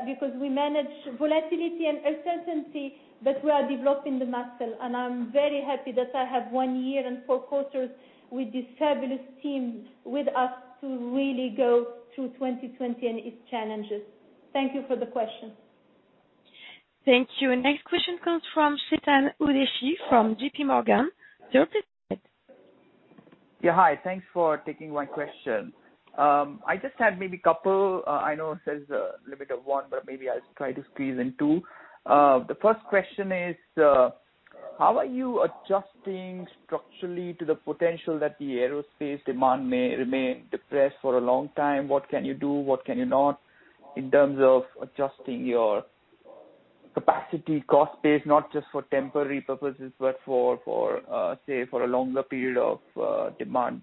because we manage volatility and uncertainty, but we are developing the muscle, and I'm very happy that I have one year and four quarters with this fabulous team with us to really go through 2020 and its challenges. Thank you for the question. Thank you. Next question comes from Chetan Udeshi from JP Morgan. You're up. Yeah. Hi. Thanks for taking my question. I just had maybe couple, I know it says limit of one. Maybe I'll try to squeeze in two. The first question is, how are you adjusting structurally to the potential that the aerospace demand may remain depressed for a long time? What can you do, what can you not, in terms of adjusting your capacity cost base, not just for temporary purposes, but say, for a longer period of demand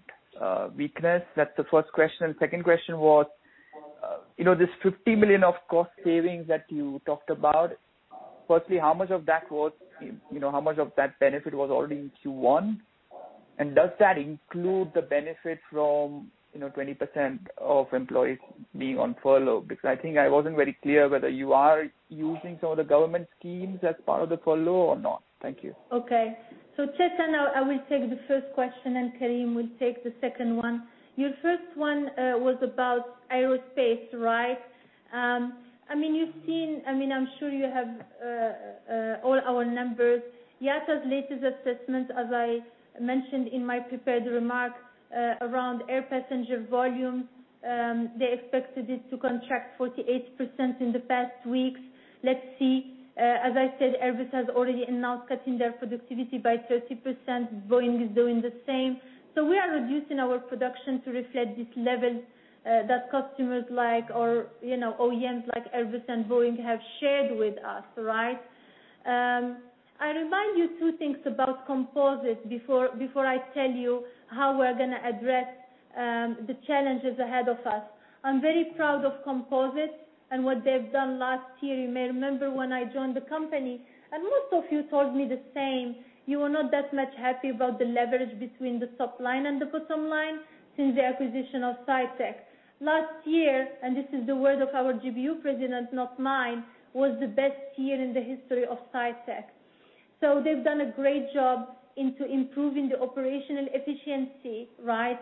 weakness? That's the first question. Second question was, this 50 million of cost savings that you talked about. Firstly, how much of that benefit was already in Q1? Does that include the benefit from 20%, of employees being on furlough? I think I wasn't very clear whether you are using some of the government schemes as part of the furlough or not. Thank you. Okay. Chetan, I will take the first question, and Karim will take the second one. Your first one was about aerospace, right? I'm sure you have all our numbers. IATA's latest assessment, as I mentioned in my prepared remarks, around air passenger volume, they expected it to contract 48%, in the past weeks. Let's see. As I said, Airbus has already announced cutting their productivity by 30%. Boeing is doing the same. We are reducing our production to reflect this level that customers like or OEMs like Airbus and Boeing have shared with us, right? Two things about composites before I tell you how we're going to address the challenges ahead of us. I'm very proud of composites and what they've done last year. You may remember when I joined the company, most of you told me the same, you were not that much happy about the leverage between the top line and the bottom line since the acquisition of Cytec. Last year, this is the word of our GBU President, not mine, was the best year in the history of Cytec. They've done a great job into improving the operational efficiency last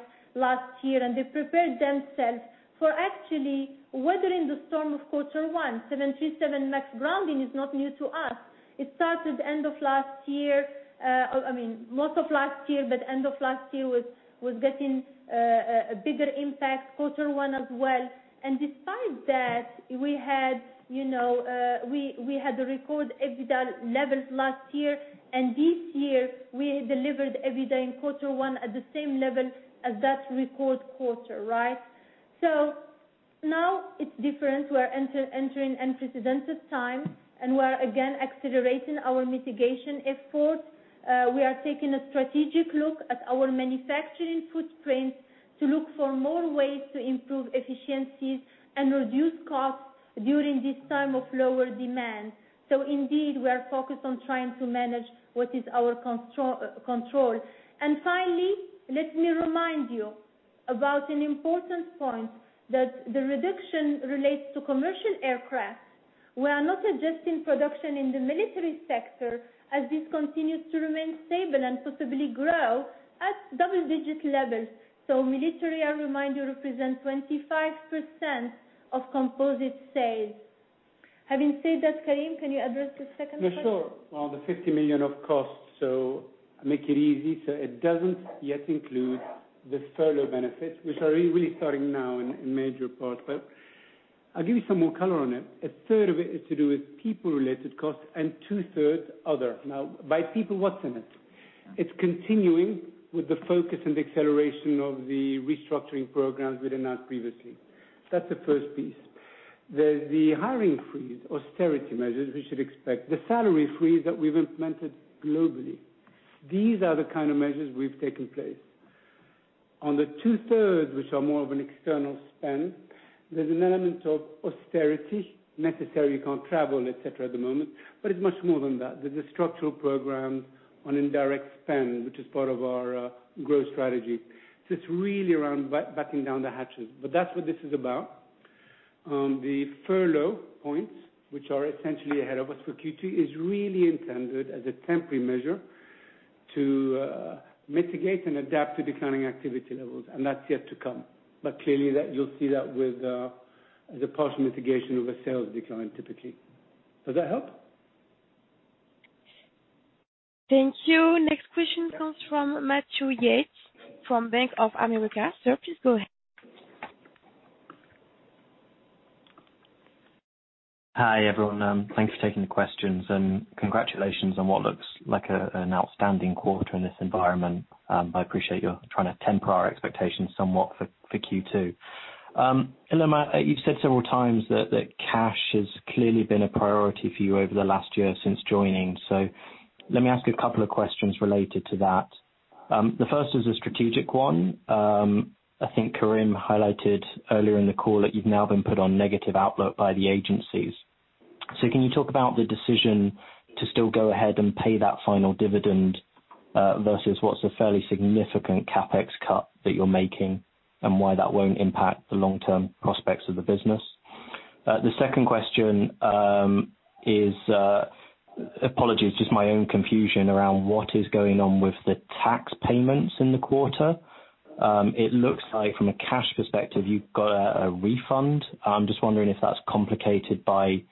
year, and they prepared themselves for actually weathering the storm of quarter 1. 737 MAX grounding is not new to us. It started most of last year, end of last year was getting a bigger impact, quarter 1 as well. Despite that, we had record EBITDA levels last year, and this year we delivered EBITDA in quarter 1 at the same level as that record quarter. Now it's different. We're entering unprecedented time, and we're again accelerating our mitigation efforts. We are taking a strategic look at our manufacturing footprints to look for more ways to improve efficiencies and reduce costs during this time of lower demand. Indeed, we are focused on trying to manage what is our control. Finally, let me remind you about an important point, that the reduction relates to commercial aircraft. We are not adjusting production in the military sector, as this continues to remain stable and possibly grow at double-digit levels. Military, I remind you, represents 25%, of composite sales. Having said that, Karim, can you address the second question? Yeah, sure. On the 50 million of costs, I make it easy. It doesn't yet include the furlough benefits, which are really starting now in major parts. I'll give you some more color on it. A third of it is to do with people-related costs and two-thirds other. Now, by people, what's in it? It's continuing with the focus and acceleration of the restructuring programs we'd announced previously. That's the first piece. There's the hiring freeze, austerity measures we should expect, the salary freeze that we've implemented globally. These are the kind of measures we've taken place. On the two-thirds, which are more of an external spend, there's an element of austerity, necessary, you can't travel, et cetera, at the moment, but it's much more than that. There's a structural program on indirect spend, which is part of our growth strategy. It's really around batten down the hatches. That's what this is about. The furlough points, which are essentially ahead of us for Q2, is really intended as a temporary measure to mitigate and adapt to declining activity levels, and that's yet to come. Clearly, you'll see that with the partial mitigation of a sales decline, typically. Does that help? Thank you. Next question comes from Matthew Yates from Bank of America. Sir, please go ahead. Hi, everyone. Thanks for taking the questions, and congratulations on what looks like an outstanding quarter in this environment. I appreciate you trying to temper our expectations somewhat for Q2. Ilham, you've said several times that cash has clearly been a priority for you over the last year since joining. Let me ask a couple of questions related to that. The first is a strategic one. I think Karim highlighted earlier in the call that you've now been put on negative outlook by the agencies. Can you talk about the decision to still go ahead and pay that final dividend, versus what's a fairly significant CapEx cut that you're making, and why that won't impact the long-term prospects of the business? The second question is, apologies, just my own confusion around what is going on with the tax payments in the quarter. It looks like from a cash perspective, you got a refund. I'm just wondering if that's complicated by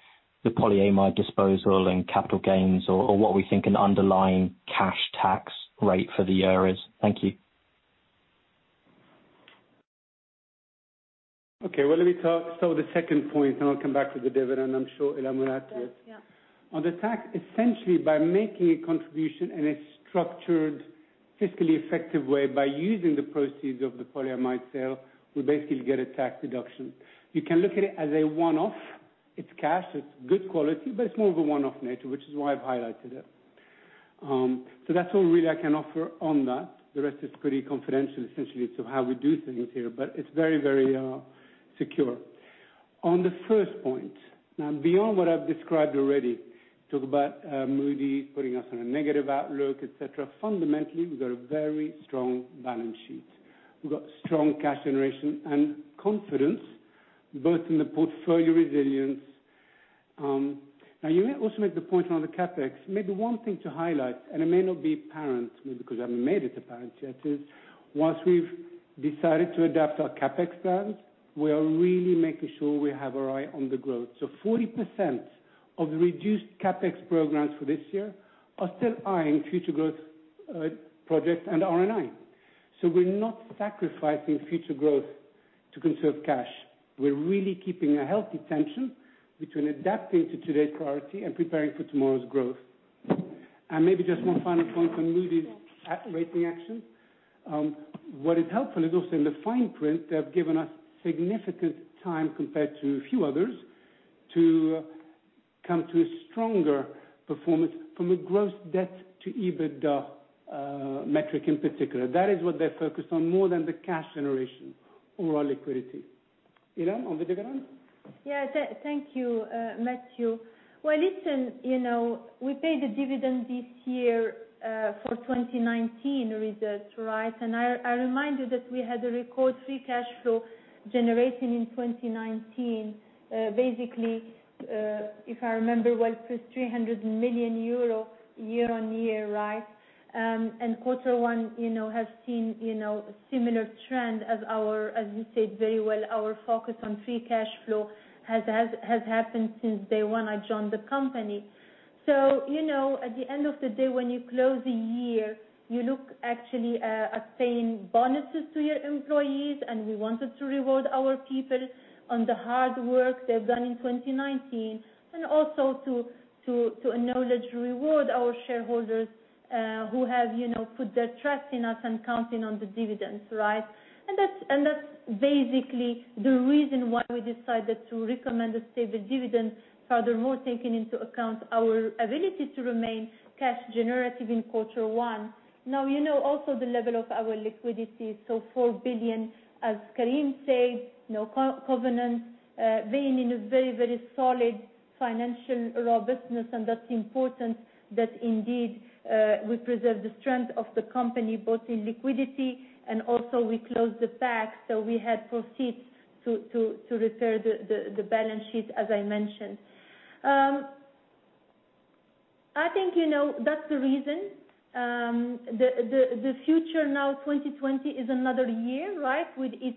the polyamide disposal and capital gains, or what we think an underlying cash tax rate for the year is. Thank you. Okay. Well, let me start with the second point, then I'll come back to the dividend. I'm sure Ilham will add to it. Yeah. On the tax, essentially, by making a contribution in a structured, fiscally effective way, by using the proceeds of the polyamide sale, we basically get a tax deduction. You can look at it as a one-off. It's cash, it's good quality, but it's more of a one-off nature, which is why I've highlighted it. That's all really I can offer on that. The rest is pretty confidential, essentially, to how we do things here, but it's very secure. On the first point, now, beyond what I've described already, talk about Moody's putting us on a negative outlook, et cetera. Fundamentally, we've got a very strong balance sheet. We've got strong cash generation and confidence, both in the portfolio resilience. Now, you also made the point on the CapEx. Maybe one thing to highlight, and it may not be apparent, maybe because I haven't made it apparent yet, is once we've decided to adapt our CapEx plans, we are really making sure we have our eye on the growth. 40%, of the reduced CapEx programs for this year are still eyeing future growth projects and R&I. We're not sacrificing future growth to conserve cash. We're really keeping a healthy tension between adapting to today's priority and preparing for tomorrow's growth. Maybe just one final point on Moody's rating action. What is helpful is also in the fine print, they have given us significant time compared to a few others, to come to a stronger performance from a gross debt to EBITDA metric in particular. That is what they're focused on more than the cash generation or liquidity. Ilham, on the dividend? Yeah. Thank you, Matthew. Well, listen, we paid a dividend this year for 2019 results, right? I remind you that we had a record free cash flow generating in 2019. Basically, if I remember well, plus 300 million euro year-over-year, right? Quarter one has seen similar trend as you said very well, our focus on free cash flow has happened since day one I joined the company. At the end of the day, when you close a year, you look actually at paying bonuses to your employees, and we wanted to reward our people on the hard work they've done in 2019. Also to acknowledge, reward our shareholders, who have put their trust in us and counting on the dividends, right? That's basically the reason why we decided to recommend a stable dividend, furthermore, taking into account our ability to remain cash generative in quarter 1. You know also the level of our liquidity, 4 billion, as Karim said, no covenant, being in a very, very solid financial robustness. That's important that indeed, we preserve the strength of the company, both in liquidity and also we close the pack. We had proceeds to repair the balance sheet, as I mentioned. That's the reason. The future now 2020 is another year, right. With its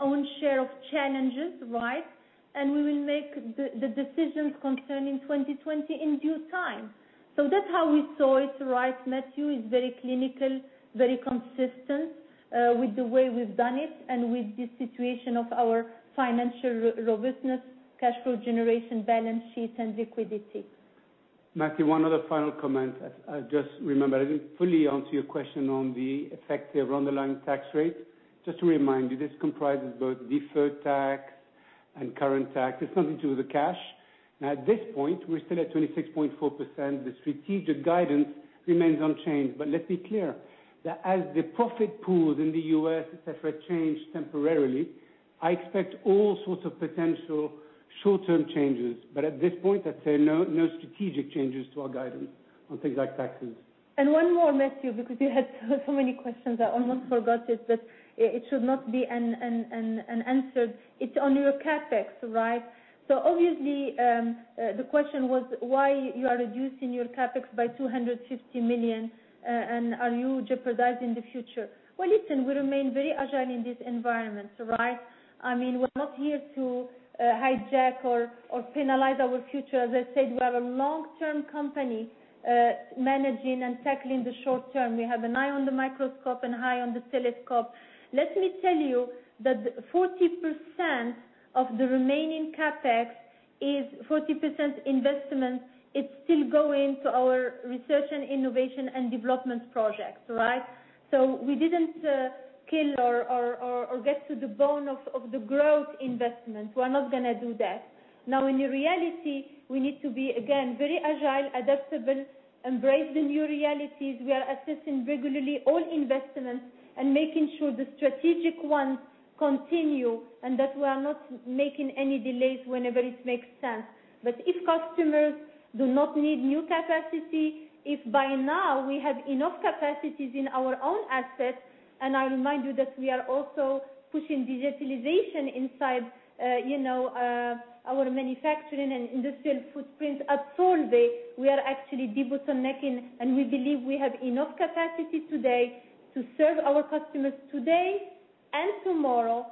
own share of challenges, right. We will make the decisions concerning 2020 in due time. That's how we saw it, right, Matthew. It's very clinical, very consistent, with the way we've done it and with the situation of our financial robustness, cash flow generation, balance sheet, and liquidity. Matthew, one other final comment. I just remembered, I didn't fully answer your question on the effective underlying tax rate. Just to remind you, this comprises both deferred tax and current tax. It's nothing to do with the cash. At this point, we're still at 26.4%. The strategic guidance remains unchanged. Let's be clear, that as the profit pools in the U.S. have changed temporarily, I expect all sorts of potential short-term changes. At this point, I'd say no strategic changes to our guidance on things like taxes. One more, Matthew, because you had so many questions, I almost forgot it, but it should not be unanswered. It's on your CapEx, right? Obviously, the question was why you are reducing your CapEx by 250 million, are you jeopardizing the future? Listen, we remain very agile in this environment, right? We're not here to hijack or penalize our future. As I said, we are a long-term company, managing and tackling the short term. We have an eye on the microscope and eye on the telescope. Let me tell you that 40%, of the remaining CapEx is 40%, investment. It's still going to our research and innovation and development projects, right? We didn't kill or get to the bone of the growth investment. We're not gonna do that. Now, in reality, we need to be, again, very agile, adaptable, embrace the new realities. We are assessing regularly all investments and making sure the strategic ones continue, and that we are not making any delays whenever it makes sense. If customers do not need new capacity, if by now we have enough capacities in our own assets, and I remind you that we are also pushing digitalization inside our manufacturing and industrial footprint at Solvay. We are actually debottlenecking, and we believe we have enough capacity today to serve our customers today and tomorrow.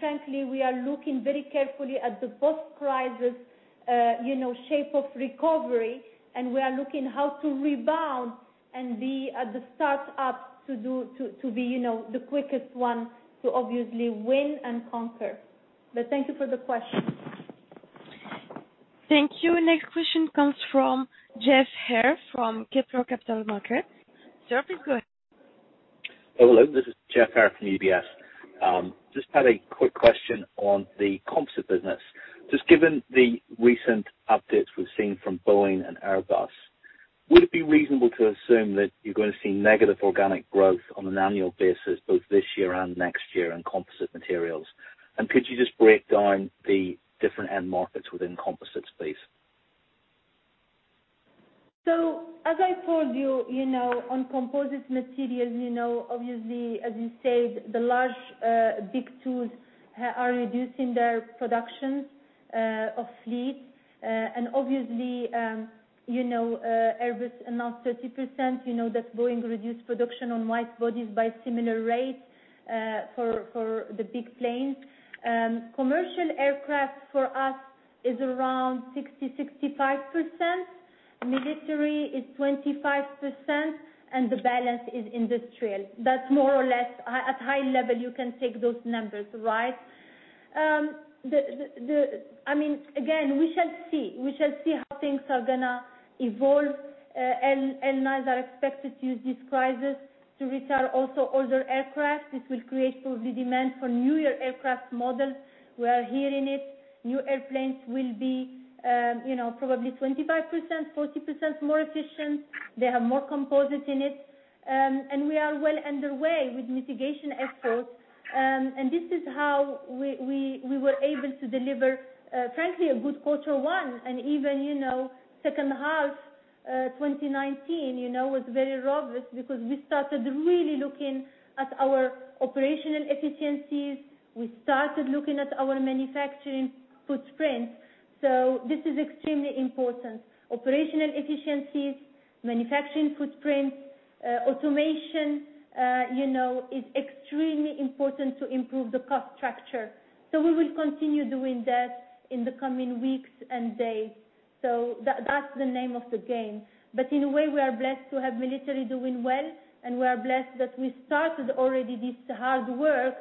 Frankly, we are looking very carefully at the post-crisis shape of recovery. We are looking how to rebound and be at the start-up to be the quickest one to obviously win and conquer. Thank you for the question. Thank you. Next question comes from Jeff Hare from Kepler Capital Markets. Jeff, please go ahead. Hello, this is Jeff Hare from UBS. Just had a quick question on the composite business. Just given the recent updates we've seen from Boeing and Airbus, would it be reasonable to assume that you're going to see negative organic growth on an annual basis both this year and next year on composite materials? Could you just break down the different end markets within composites, please? As I told you, on Composite Materials, obviously, as you said, the large, big tools are reducing their production of fleet. Obviously, Airbus announced 30%, you know that Boeing reduced production on wide-bodies by similar rates, for the big planes. Commercial aircraft for us is around 60, 65%. Military is 25%, and the balance is industrial. That's more or less at high level, you can take those numbers, right? Again, We shall see how things are going to evolve. Airlines are expected to use this crisis to retire also older aircraft. This will create probably demand for newer aircraft models. We are hearing it. New airplanes will be probably 25%, 40% more efficient. They have more composite in it. We are well underway with mitigation efforts. This is how we were able to deliver, frankly, a good quarter one, and even second half 2019 was very robust because we started really looking at our operational efficiencies. We started looking at our manufacturing footprint. This is extremely important. Operational efficiencies, manufacturing footprints, automation, is extremely important to improve the cost structure. We will continue doing that in the coming weeks and days. That's the name of the game. In a way, we are blessed to have military doing well, and we are blessed that we started already this hard work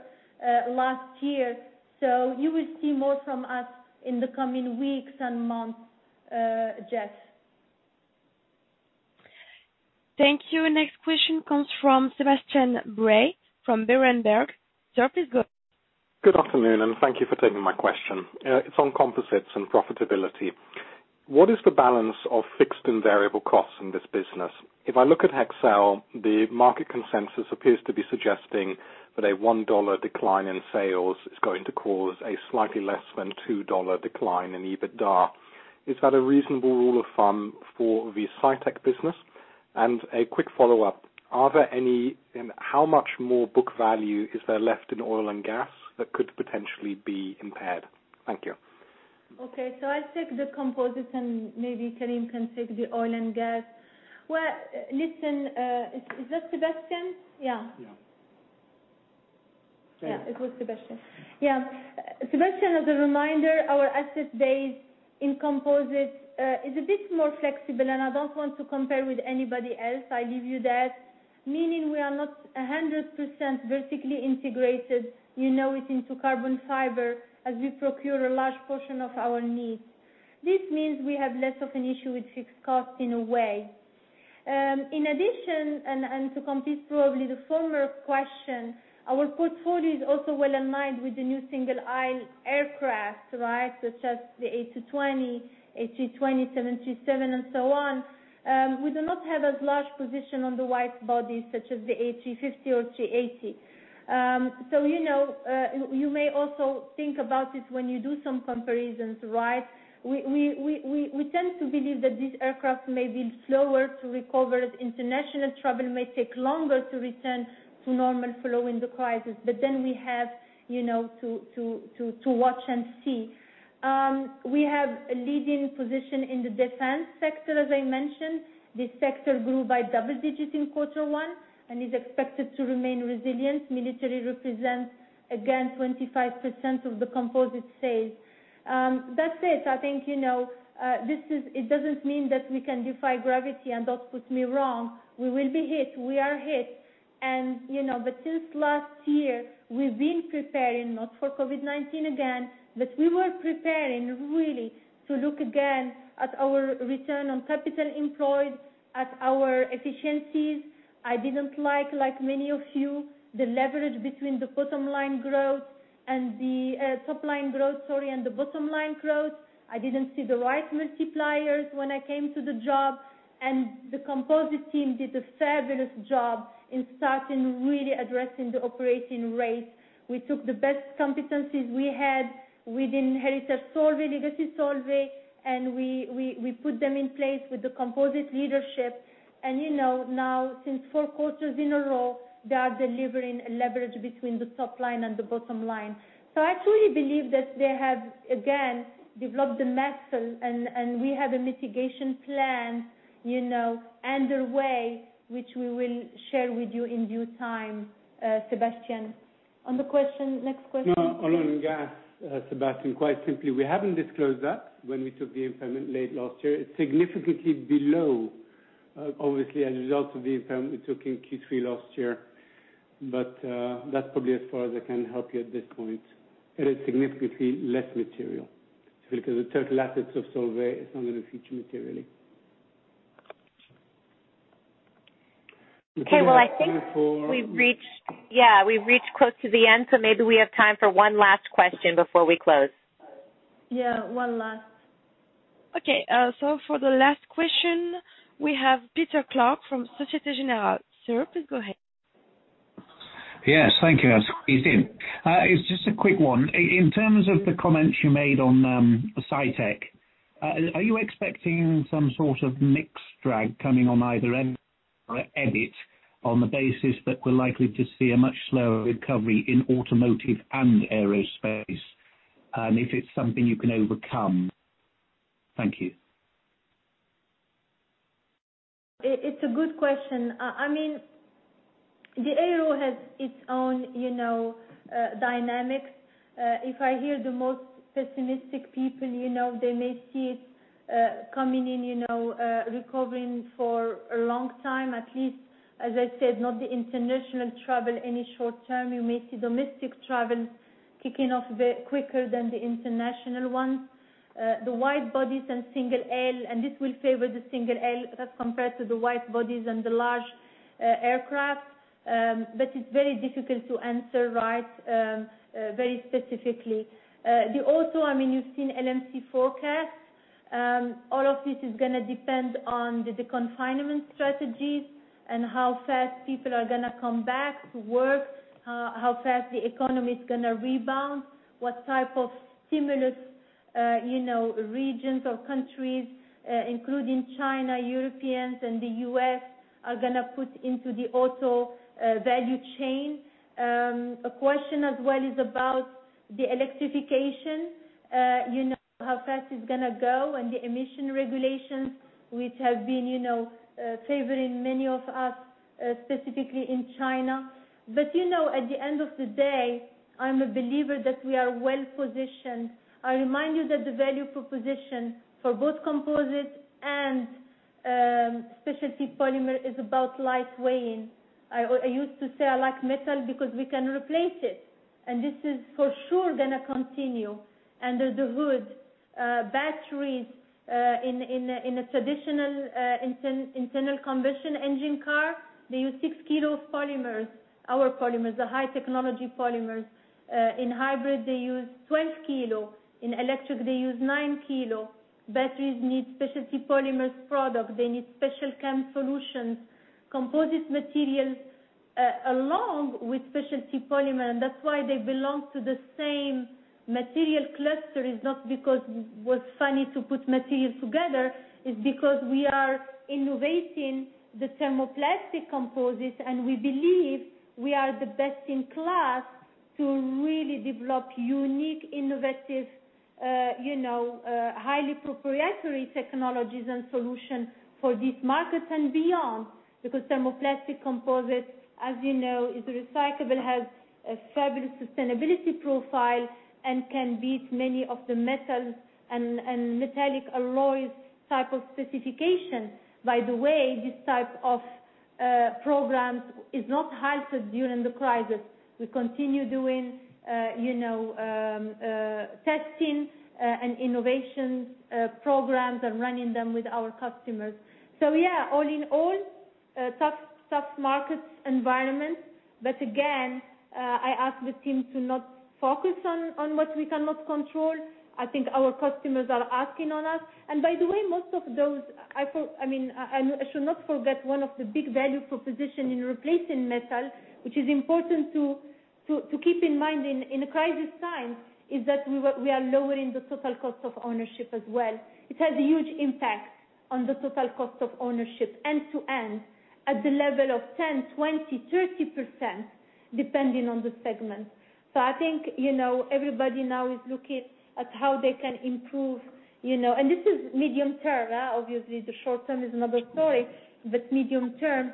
last year. You will see more from us in the coming weeks and months, Jeff. Thank you. Next question comes from Sebastian Bray from Berenberg. Sir, please go. Good afternoon, and thank you for taking my question. It's on composites and profitability. What is the balance of fixed and variable costs in this business? If I look at Hexcel, the market consensus appears to be suggesting that a one dollar decline in sales is going to cause a slightly less than two dollar decline in EBITDA. Is that a reasonable rule of thumb for the Cytec business? A quick follow-up, how much more book value is there left in oil and gas that could potentially be impaired? Thank you. I'll take the composites and maybe Karim can take the oil and gas. Well, listen, is that Sebastian? Yeah. Yeah. Yeah. It was Sebastian. Yeah. Sebastian, as a reminder, our asset base in composites is a bit more flexible, and I don't want to compare with anybody else. I leave you that, meaning we are not 100%, vertically integrated, you know it, into carbon fiber as we procure a large portion of our needs. This means we have less of an issue with fixed costs in a way. In addition, and to complete probably the former question, our portfolio is also well in mind with the new single aisle aircraft, such as the A220, A320, 737 and so on. We do not have as large position on the wide body such as the A350 or 787. You may also think about it when you do some comparisons, right? We tend to believe that these aircraft may be slower to recover as international travel may take longer to return to normal following the crisis. We have to watch and see. We have a leading position in the defense sector, as I mentioned. This sector grew by double digits in quarter one and is expected to remain resilient. Military represents, again, 25%, of the composite sales. That's it. I think it doesn't mean that we can defy gravity and don't quote me wrong. We will be hit. We are hit. Since last year, we've been preparing, not for COVID-19 again, but we were preparing really to look again at our return on capital employed, at our efficiencies. I didn't like many of you, the leverage between the top line growth and the bottom line growth. I didn't see the right multipliers when I came to the job, the composite team did a fabulous job in starting really addressing the operating rates. We took the best competencies we had. We didn't inherit a Solvay legacy, we put them in place with the composite leadership. Now, since 4 quarters in a row, they are delivering a leverage between the top line and the bottom line. I truly believe that they have, again, developed the muscle and we have a mitigation plan underway, which we will share with you in due time, Sebastian. On the next question. On oil and gas, Sebastian, quite simply, we haven't disclosed that when we took the impairment late last year. It's significantly below, obviously, as a result of the impairment we took in Q3 last year. That's probably as far as I can help you at this point. It is significantly less material, because the total assets of Solvay is not going to feature materially. Okay, well, I think we've reached close to the end, so maybe we have time for one last question before we close. Yeah. One last. Okay, for the last question, we have Peter Clark from Société Générale. Sir, please go ahead. Yes. Thank you. It's just a quick one. In terms of the comments you made on Cytec, are you expecting some sort of mix drag coming on either end or EBIT on the basis that we're likely to see a much slower recovery in automotive and aerospace? If it's something you can overcome. Thank you. It's a good question. The aero has its own dynamics. If I hear the most pessimistic people, they may see it coming in, recovering for a long time, at least, as I said, not the international travel any short term. You may see domestic travel kicking off quicker than the international ones. The wide bodies and single-aisle, and this will favor the single-aisle as compared to the wide bodies and the large aircraft. It's very difficult to answer very specifically. Also, you've seen LMC forecasts. All of this is going to depend on the deconfinement strategies and how fast people are going to come back to work, how fast the economy's going to rebound, what type of stimulus regions or countries, including China, Europeans, and the U.S., are going to put into the auto value chain. A question as well is about the electrification. You know how fast it's going to go, and the emission regulations, which have been favoring many of us, specifically in China. At the end of the day, I'm a believer that we are well-positioned. I remind you that the value proposition for both composites and specialty polymer is about lightweighting. I used to say I like metal because we can replace it, and this is for sure going to continue. Under the hood, batteries in a traditional internal combustion engine car, they use six kilos polymers. Our polymers are high technology polymers. In hybrid, they use 12 kilo. In electric, they use nine kilo. Batteries need specialty polymers product. They need Special Chem solutions. Composite Materials along with Specialty Polymers, that's why they belong to the same material cluster is not because it was funny to put materials together, it's because we are innovating the thermoplastic composites, and we believe we are the best in class to really develop unique, innovative, highly proprietary technologies and solutions for these markets and beyond. Because thermoplastic composite, as you know, is recyclable, has a fabulous sustainability profile, and can beat many of the metal and metallic alloys type of specifications. This type of programs is not halted during the crisis. We continue doing testing and innovations programs and running them with our customers. All in all, tough market environment. Again, I ask the team to not focus on what we cannot control. I think our customers are asking on us. By the way, most of those I should not forget one of the big value proposition in replacing metal, which is important to keep in mind in a crisis time, is that we are lowering the total cost of ownership as well. It has a huge impact on the total cost of ownership end to end at the level of 10%, 20%, 30%, depending on the segment. I think everybody now is looking at how they can improve. This is medium-term. Obviously, the short term is another story, but medium term,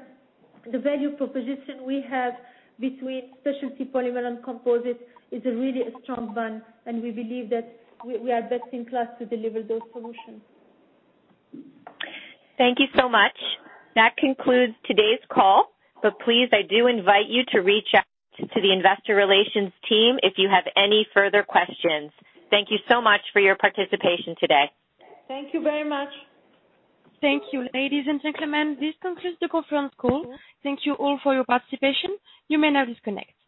the value proposition we have between specialty polymer and composite is really a strong one, and we believe that we are best in class to deliver those solutions. Thank you so much. That concludes today's call. Please, I do invite you to reach out to the investor relations team if you have any further questions. Thank you so much for your participation today. Thank you very much. Thank you, ladies and gentlemen. This concludes the conference call. Thank you all for your participation. You may now disconnect.